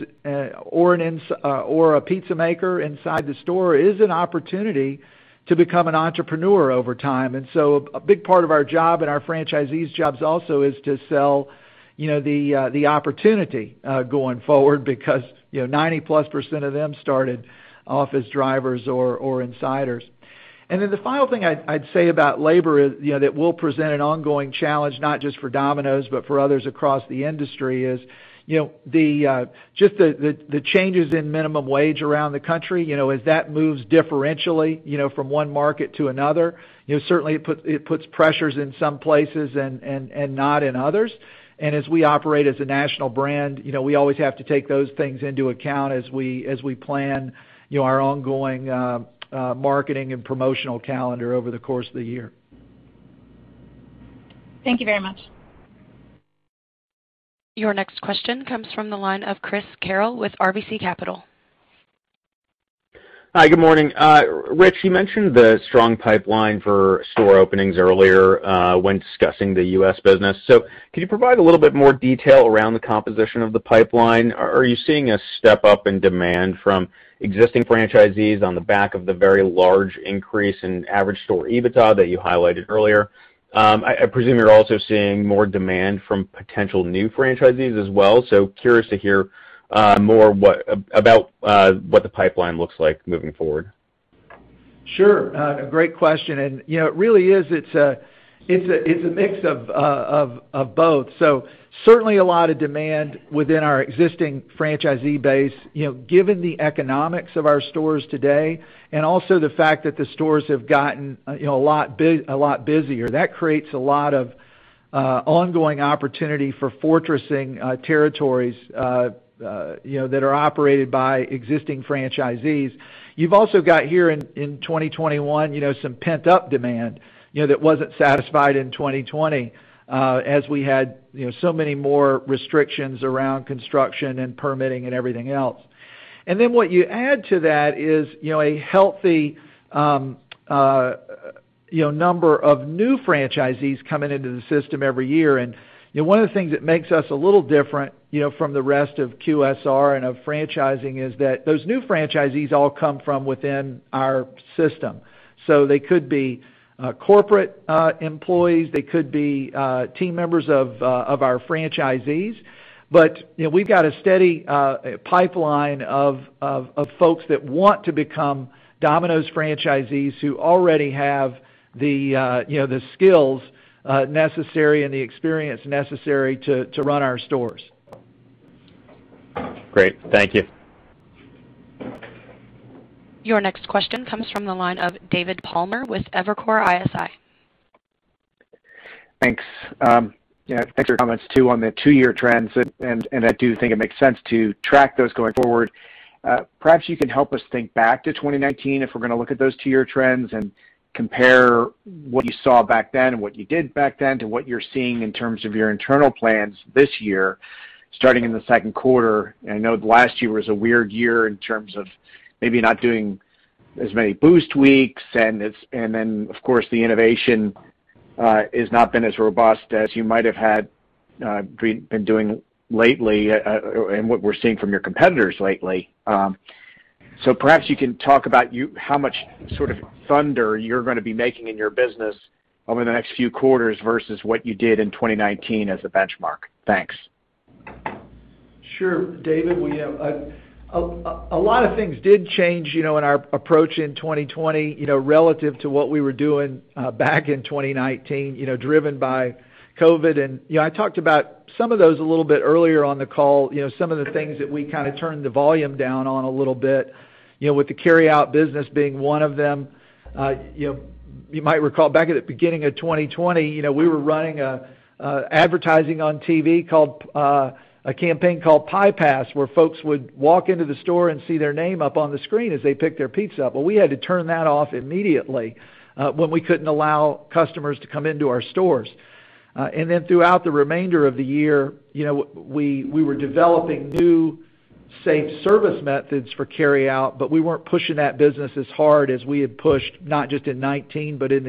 or a pizza maker inside the store is an opportunity to become an entrepreneur over time. A big part of our job and our franchisees' jobs also is to sell the opportunity going forward because 90+% of them started off as drivers or insiders. The final thing I'd say about labor that will present an ongoing challenge, not just for Domino's, but for others across the industry is just the changes in minimum wage around the country. As that moves differentially from one market to another, certainly it puts pressures in some places and not in others. As we operate as a national brand, we always have to take those things into account as we plan our ongoing marketing and promotional calendar over the course of the year. Thank you very much. Your next question comes from the line of Chris Carril with RBC Capital. Hi, good morning. Ritch, you mentioned the strong pipeline for store openings earlier when discussing the U.S. business. Can you provide a little bit more detail around the composition of the pipeline? Are you seeing a step up in demand from existing franchisees on the back of the very large increase in average store EBITDA that you highlighted earlier? I presume you're also seeing more demand from potential new franchisees as well. Curious to hear more about what the pipeline looks like moving forward. Sure. A great question, and it really is. It's a mix of both. Certainly a lot of demand within our existing franchisee base. Given the economics of our stores today and also the fact that the stores have gotten a lot busier, that creates a lot of ongoing opportunity for fortressing territories that are operated by existing franchisees. You've also got here in 2021, some pent-up demand that wasn't satisfied in 2020, as we had so many more restrictions around construction and permitting and everything else. What you add to that is a healthy number of new franchisees coming into the system every year. One of the things that makes us a little different from the rest of QSR and of franchising is that those new franchisees all come from within our system. They could be corporate employees, they could be team members of our franchisees. We've got a steady pipeline of folks that want to become Domino's franchisees who already have the skills necessary and the experience necessary to run our stores. Great. Thank you. Your next question comes from the line of David Palmer with Evercore ISI. Thanks. Thanks for your comments too on the two-year trends, and I do think it makes sense to track those going forward. Perhaps you can help us think back to 2019 if we're going to look at those two-year trends and compare what you saw back then and what you did back then to what you're seeing in terms of your internal plans this year, starting in the second quarter. I know last year was a weird year in terms of maybe not doing as many Boost Weeks, and then, of course, the innovation has not been as robust as you might have been doing lately and what we're seeing from your competitors lately. Perhaps you can talk about how much thunder you're going to be making in your business over the next few quarters versus what you did in 2019 as a benchmark. Thanks. Sure, David. A lot of things did change in our approach in 2020 relative to what we were doing back in 2019, driven by COVID. I talked about some of those a little bit earlier on the call, some of the things that we kind of turned the volume down on a little bit, with the carryout business being one of them. You might recall back at the beginning of 2020, we were running advertising on TV, a campaign called Pie Pass, where folks would walk into the store and see their name up on the screen as they picked their pizza up. We had to turn that off immediately when we couldn't allow customers to come into our stores. Throughout the remainder of the year, we were developing new safe service methods for carryout, but we weren't pushing that business as hard as we had pushed, not just in 2019, but in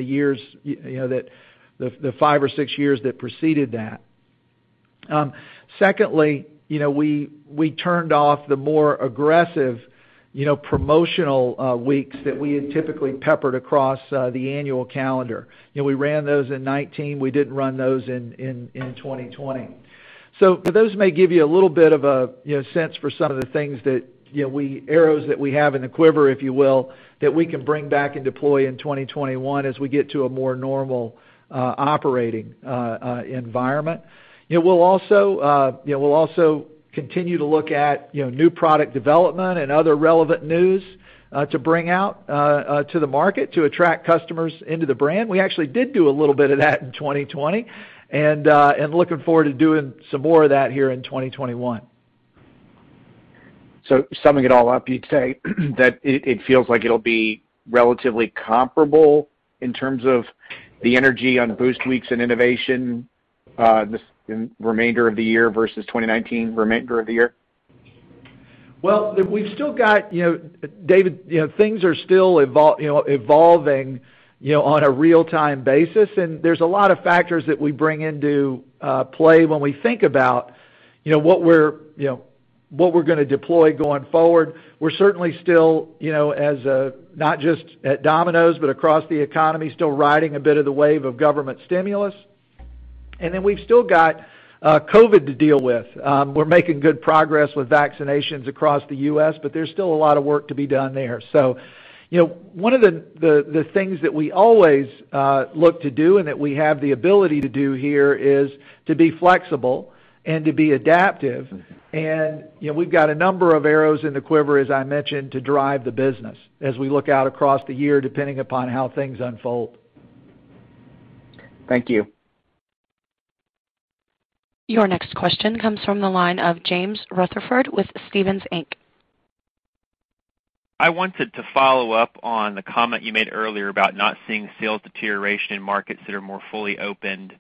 the five or six years that preceded that. Secondly, we turned off the more aggressive promotional weeks that we had typically peppered across the annual calendar. We ran those in 2019. We didn't run those in 2020. Those may give you a little bit of a sense for some of the arrows that we have in the quiver, if you will, that we can bring back and deploy in 2021 as we get to a more normal operating environment. We'll also continue to look at new product development and other relevant news to bring out to the market to attract customers into the brand. We actually did do a little bit of that in 2020 and looking forward to doing some more of that here in 2021. Summing it all up, you'd say that it feels like it'll be relatively comparable in terms of the energy on Boost Weeks and innovation in the remainder of the year versus 2019 remainder of the year? Well, David, things are still evolving on a real-time basis. There's a lot of factors that we bring into play when we think about what we're going to deploy going forward. We're certainly still, not just at Domino's, but across the economy, still riding a bit of the wave of government stimulus. We've still got COVID to deal with. We're making good progress with vaccinations across the U.S., there's still a lot of work to be done there. One of the things that we always look to do and that we have the ability to do here is to be flexible and to be adaptive. We've got a number of arrows in the quiver, as I mentioned, to drive the business as we look out across the year, depending upon how things unfold. Thank you. Your next question comes from the line of James Rutherford with Stephens Inc. I wanted to follow up on the comment you made earlier about not seeing sales deterioration in markets that are more fully opened.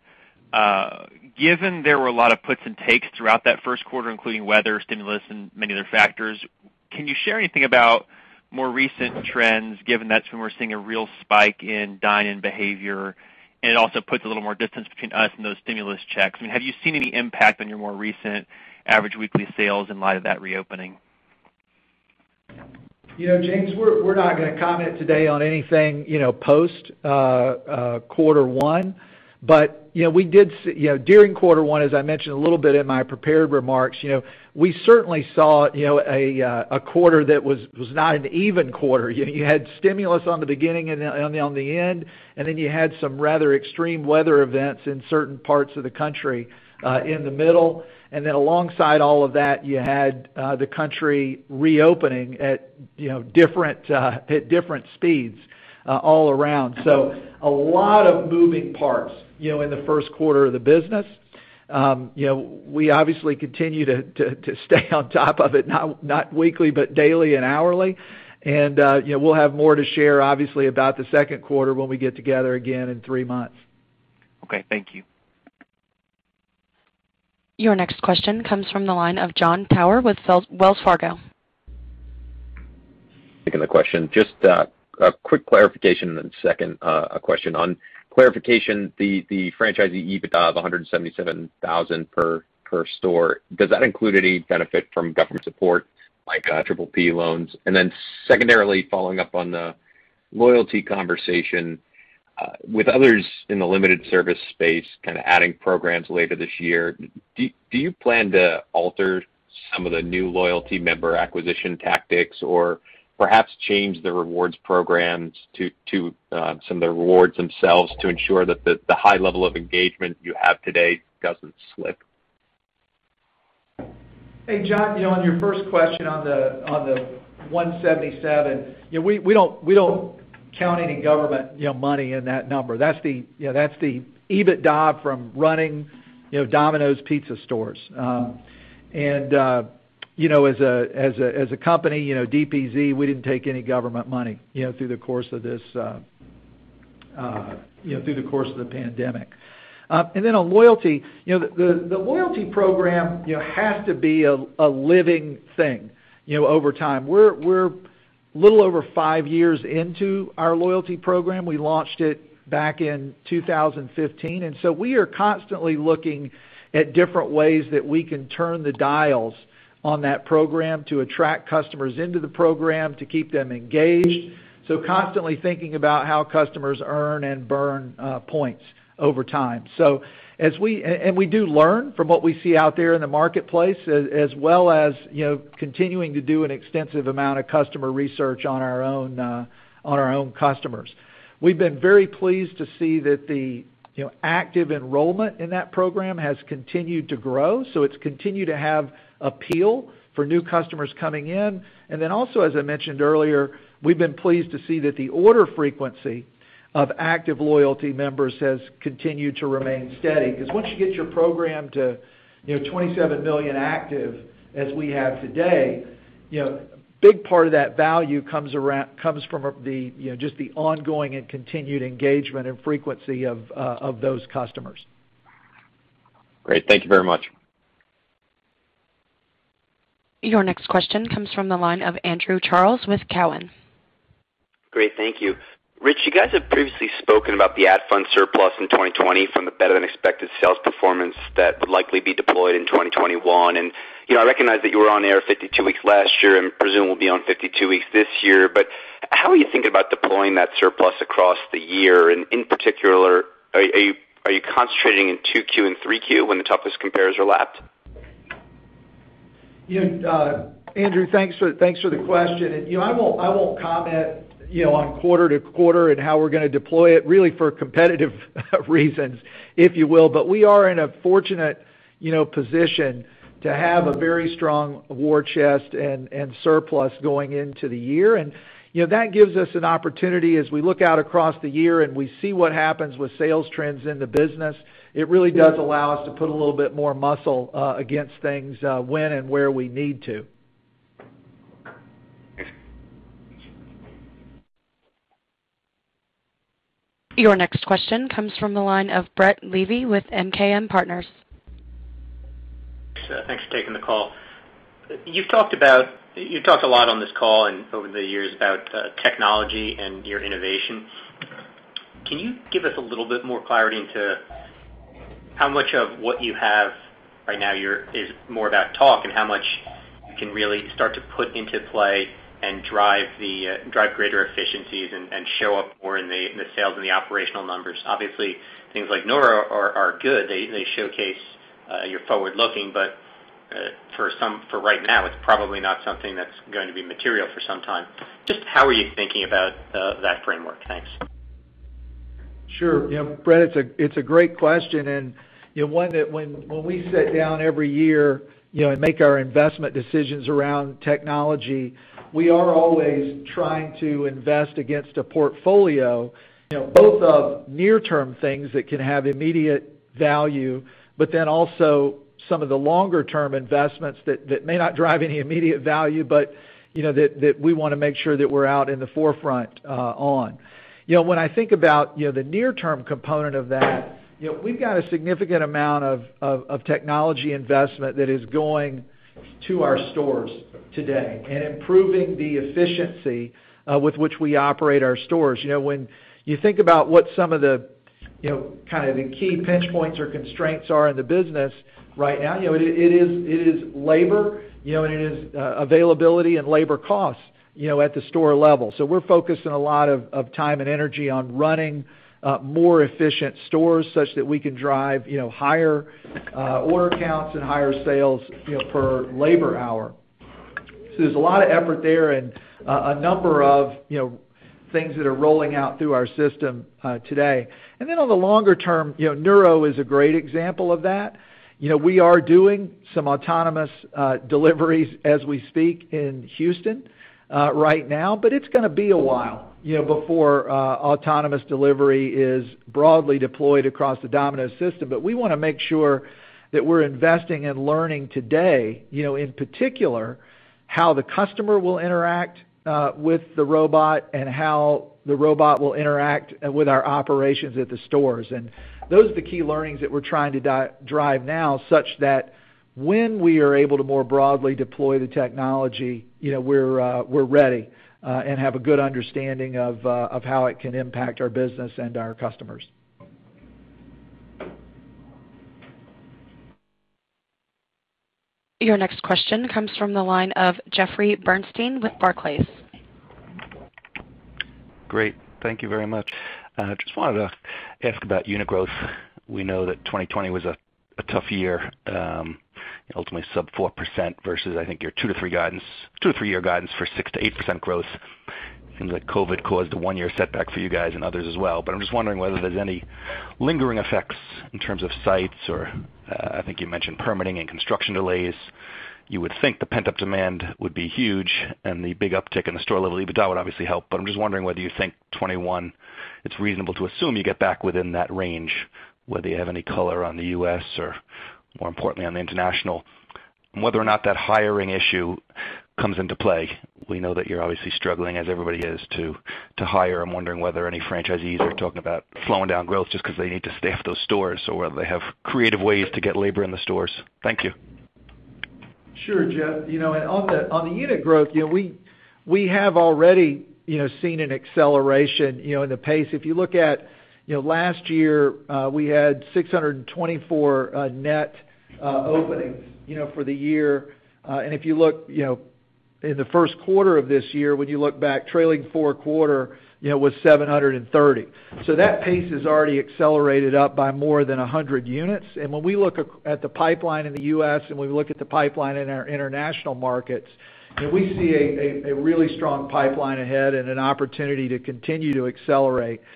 Given there were a lot of puts and takes throughout that first quarter, including weather stimulus and many other factors, can you share anything about more recent trends, given that's when we're seeing a real spike in dine-in behavior, and it also puts a little more distance between us and those stimulus checks? I mean, have you seen any impact on your more recent average weekly sales in light of that reopening? James, we're not going to comment today on anything post quarter one. During quarter one, as I mentioned a little bit in my prepared remarks, we certainly saw a quarter that was not an even quarter. You had stimulus on the beginning and on the end, you had some rather extreme weather events in certain parts of the country, in the middle. Alongside all of that, you had the country reopening at different speeds all around. A lot of moving parts in the first quarter of the business. We obviously continue to stay on top of it, not weekly, but daily and hourly. We'll have more to share, obviously, about the second quarter when we get together again in three months. Okay. Thank you. Your next question comes from the line of Jon Tower with Wells Fargo. Taking the question. A quick clarification and second question. Clarification, the franchisee EBITDA of $177,000 per store, does that include any benefit from government support like PPP loans? Secondarily, following up on the loyalty conversation, with others in the limited service space, kind of adding programs later this year, do you plan to alter some of the new loyalty member acquisition tactics or perhaps change the rewards programs to some of the rewards themselves to ensure that the high level of engagement you have today doesn't slip? Hey, Jon, on your first question on the $177,000. We don't count any government money in that number. That's the EBITDA from running Domino's Pizza stores. As a company, DPZ, we didn't take any government money through the course of the pandemic. On loyalty. The loyalty program has to be a living thing over time. We're a little over five years into our loyalty program. We launched it back in 2015, we are constantly looking at different ways that we can turn the dials on that program to attract customers into the program, to keep them engaged. Constantly thinking about how customers earn and burn points over time. We do learn from what we see out there in the marketplace, as well as continuing to do an extensive amount of customer research on our own customers. We've been very pleased to see that the active enrollment in that program has continued to grow. It's continued to have appeal for new customers coming in. Also, as I mentioned earlier, we've been pleased to see that the order frequency of active loyalty members has continued to remain steady. Once you get your program to 27 million active, as we have today, big part of that value comes from just the ongoing and continued engagement and frequency of those customers. Great. Thank you very much. Your next question comes from the line of Andrew Charles with Cowen. Great. Thank you. Ritch, you guys have previously spoken about the ad fund surplus in 2020 from the better-than-expected sales performance that would likely be deployed in 2021. I recognize that you were on air 52 weeks last year and presume will be on 52 weeks this year, but how are you thinking about deploying that surplus across the year? In particular, are you concentrating in 2Q and 3Q when the toughest compares are lapped? Andrew, thanks for the question. I won't comment on quarter-to-quarter and how we're going to deploy it, really for competitive reasons, if you will. We are in a fortunate position to have a very strong war chest and surplus going into the year. That gives us an opportunity as we look out across the year and we see what happens with sales trends in the business. It really does allow us to put a little bit more muscle against things when and where we need to. Your next question comes from the line of Brett Levy with MKM Partners. Thanks for taking the call. You've talked a lot on this call and over the years about technology and your innovation. Can you give us a little bit more clarity into how much of what you have right now is more about talk and how much you can really start to put into play and drive greater efficiencies and show up more in the sales and the operational numbers? Obviously, things like Nuro are good. They showcase you're forward-looking, but for right now, it's probably not something that's going to be material for some time. Just how are you thinking about that framework? Thanks. Sure. Brett, it's a great question, and one that when we sit down every year and make our investment decisions around technology, we are always trying to invest against a portfolio, both of near-term things that can have immediate value, but then also some of the longer-term investments that may not drive any immediate value, but that we want to make sure that we're out in the forefront on. When I think about the near-term component of that, we've got a significant amount of technology investment that is going to our stores today and improving the efficiency with which we operate our stores. When you think about what some of the kind of the key pinch points or constraints are in the business right now, it is labor, and it is availability and labor costs at the store level. We're focused on a lot of time and energy on running more efficient stores such that we can drive higher order counts and higher sales per labor hour. There's a lot of effort there and a number of things that are rolling out through our system today. On the longer term, Nuro is a great example of that. We are doing some autonomous deliveries as we speak in Houston right now, but it's going to be a while before autonomous delivery is broadly deployed across the Domino's system. We want to make sure that we're investing and learning today, in particular, how the customer will interact with the robot and how the robot will interact with our operations at the stores. Those are the key learnings that we're trying to drive now, such that when we are able to more broadly deploy the technology, we're ready and have a good understanding of how it can impact our business and our customers. Your next question comes from the line of Jeffrey Bernstein with Barclays. Great. Thank you very much. Just wanted to ask about unit growth. We know that 2020 was a tough year, ultimately sub 4% versus, I think, your two to three-year guidance for 6%-8% growth. It seems like COVID caused a one-year setback for you guys and others as well. I'm just wondering whether there's any lingering effects in terms of sites, or I think you mentioned permitting and construction delays. You would think the pent-up demand would be huge and the big uptick in the store-level EBITDA would obviously help. I'm just wondering whether you think 2021, it's reasonable to assume you get back within that range, whether you have any color on the U.S. or more importantly on the international. Whether or not that hiring issue comes into play. We know that you're obviously struggling, as everybody is, to hire. I'm wondering whether any franchisees are talking about slowing down growth just because they need to staff those stores, or whether they have creative ways to get labor in the stores. Thank you. Sure, Jeffrey. On the unit growth, we have already seen an acceleration in the pace. If you look at last year, we had 624 net openings for the year. If you look in the first quarter of this year, when you look back trailing four quarter, was 730. That pace has already accelerated up by more than 100 units. When we look at the pipeline in the U.S., and when we look at the pipeline in our international markets, we see a really strong pipeline ahead and an opportunity to continue to accelerate that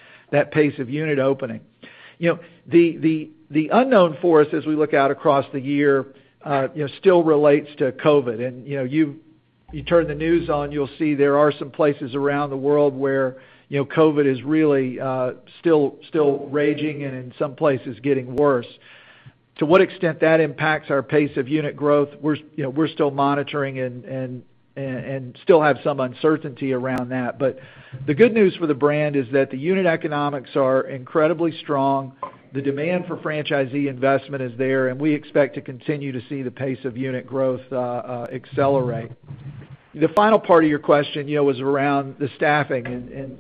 pace of unit opening. The unknown for us as we look out across the year still relates to COVID. You turn the news on, you'll see there are some places around the world where COVID is really still raging and in some places getting worse. To what extent that impacts our pace of unit growth, we're still monitoring and still have some uncertainty around that. The good news for the brand is that the unit economics are incredibly strong. The demand for franchisee investment is there, and we expect to continue to see the pace of unit growth accelerate. The final part of your question was around the staffing, and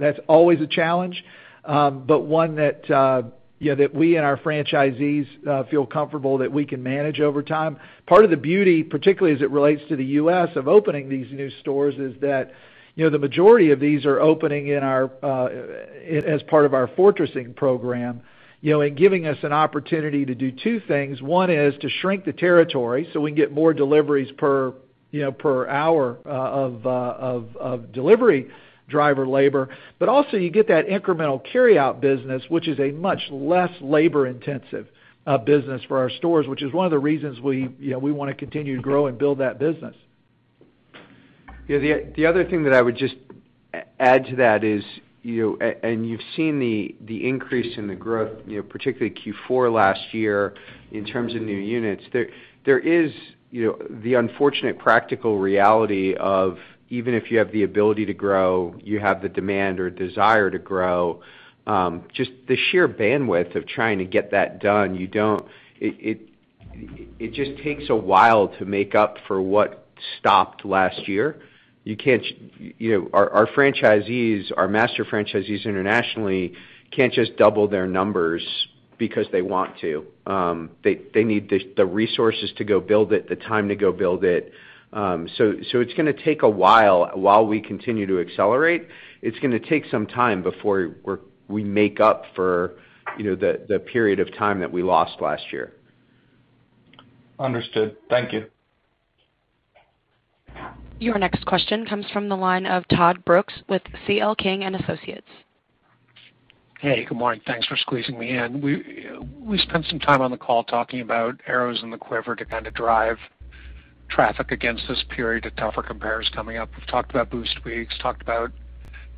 that's always a challenge. One that we and our franchisees feel comfortable that we can manage over time. Part of the beauty, particularly as it relates to the U.S. of opening these new stores, is that the majority of these are opening as part of our fortressing program, and giving us an opportunity to do two things. One is to shrink the territory so we can get more deliveries per hour of delivery driver labor. Also you get that incremental carryout business, which is a much less labor-intensive business for our stores, which is one of the reasons we want to continue to grow and build that business. The other thing that I would just add to that is, you've seen the increase in the growth, particularly Q4 last year, in terms of new units. There is the unfortunate practical reality of even if you have the ability to grow, you have the demand or desire to grow, just the sheer bandwidth of trying to get that done, it just takes a while to make up for what stopped last year. Our franchisees, our master franchisees internationally can't just double their numbers because they want to. They need the resources to go build it, the time to go build it. It's going to take a while. While we continue to accelerate, it's going to take some time before we make up for the period of time that we lost last year. Understood. Thank you. Your next question comes from the line of Todd Brooks with C.L. King & Associates. Hey, good morning. Thanks for squeezing me in. We spent some time on the call talking about arrows in the quiver to kind of drive traffic against this period of tougher compares coming up. We've talked about Boost Weeks, talked about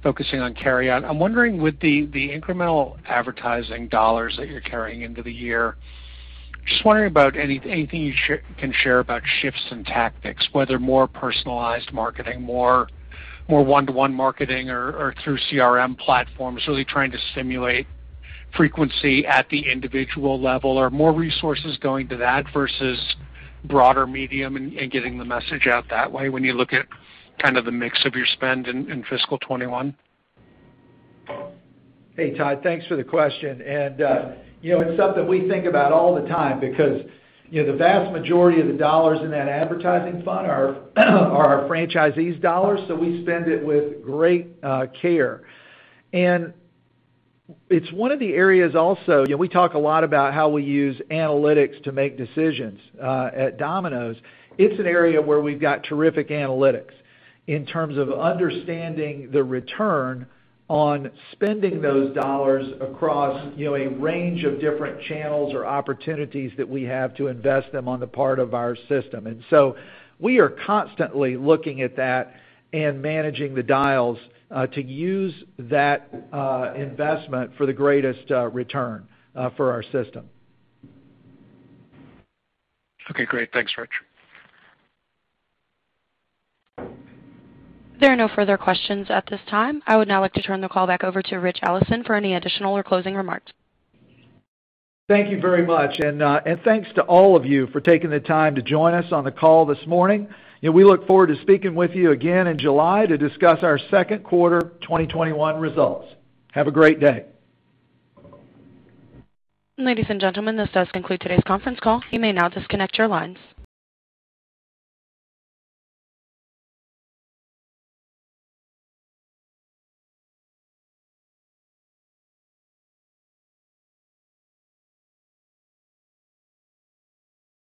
focusing on carryout. I'm wondering, with the incremental advertising dollars that you're carrying into the year, just wondering about anything you can share about shifts in tactics, whether more personalized marketing, more one-to-one marketing or through CRM platforms, really trying to stimulate frequency at the individual level. Are more resources going to that versus broader medium and getting the message out that way when you look at kind of the mix of your spend in fiscal 2021? Hey, Todd. Thanks for the question. It's something we think about all the time because the vast majority of the dollars in that advertising fund are our franchisees' dollars, we spend it with great care. It's one of the areas also, we talk a lot about how we use analytics to make decisions at Domino's. It's an area where we've got terrific analytics in terms of understanding the return on spending those dollars across a range of different channels or opportunities that we have to invest them on the part of our system. We are constantly looking at that and managing the dials, to use that investment for the greatest return for our system. Okay, great. Thanks, Ritch. There are no further questions at this time. I would now like to turn the call back over to Ritch Allison for any additional or closing remarks. Thank you very much. Thanks to all of you for taking the time to join us on the call this morning. We look forward to speaking with you again in July to discuss our second quarter 2021 results. Have a great day. Ladies and gentlemen, this does conclude today's conference call. You may now disconnect your lines.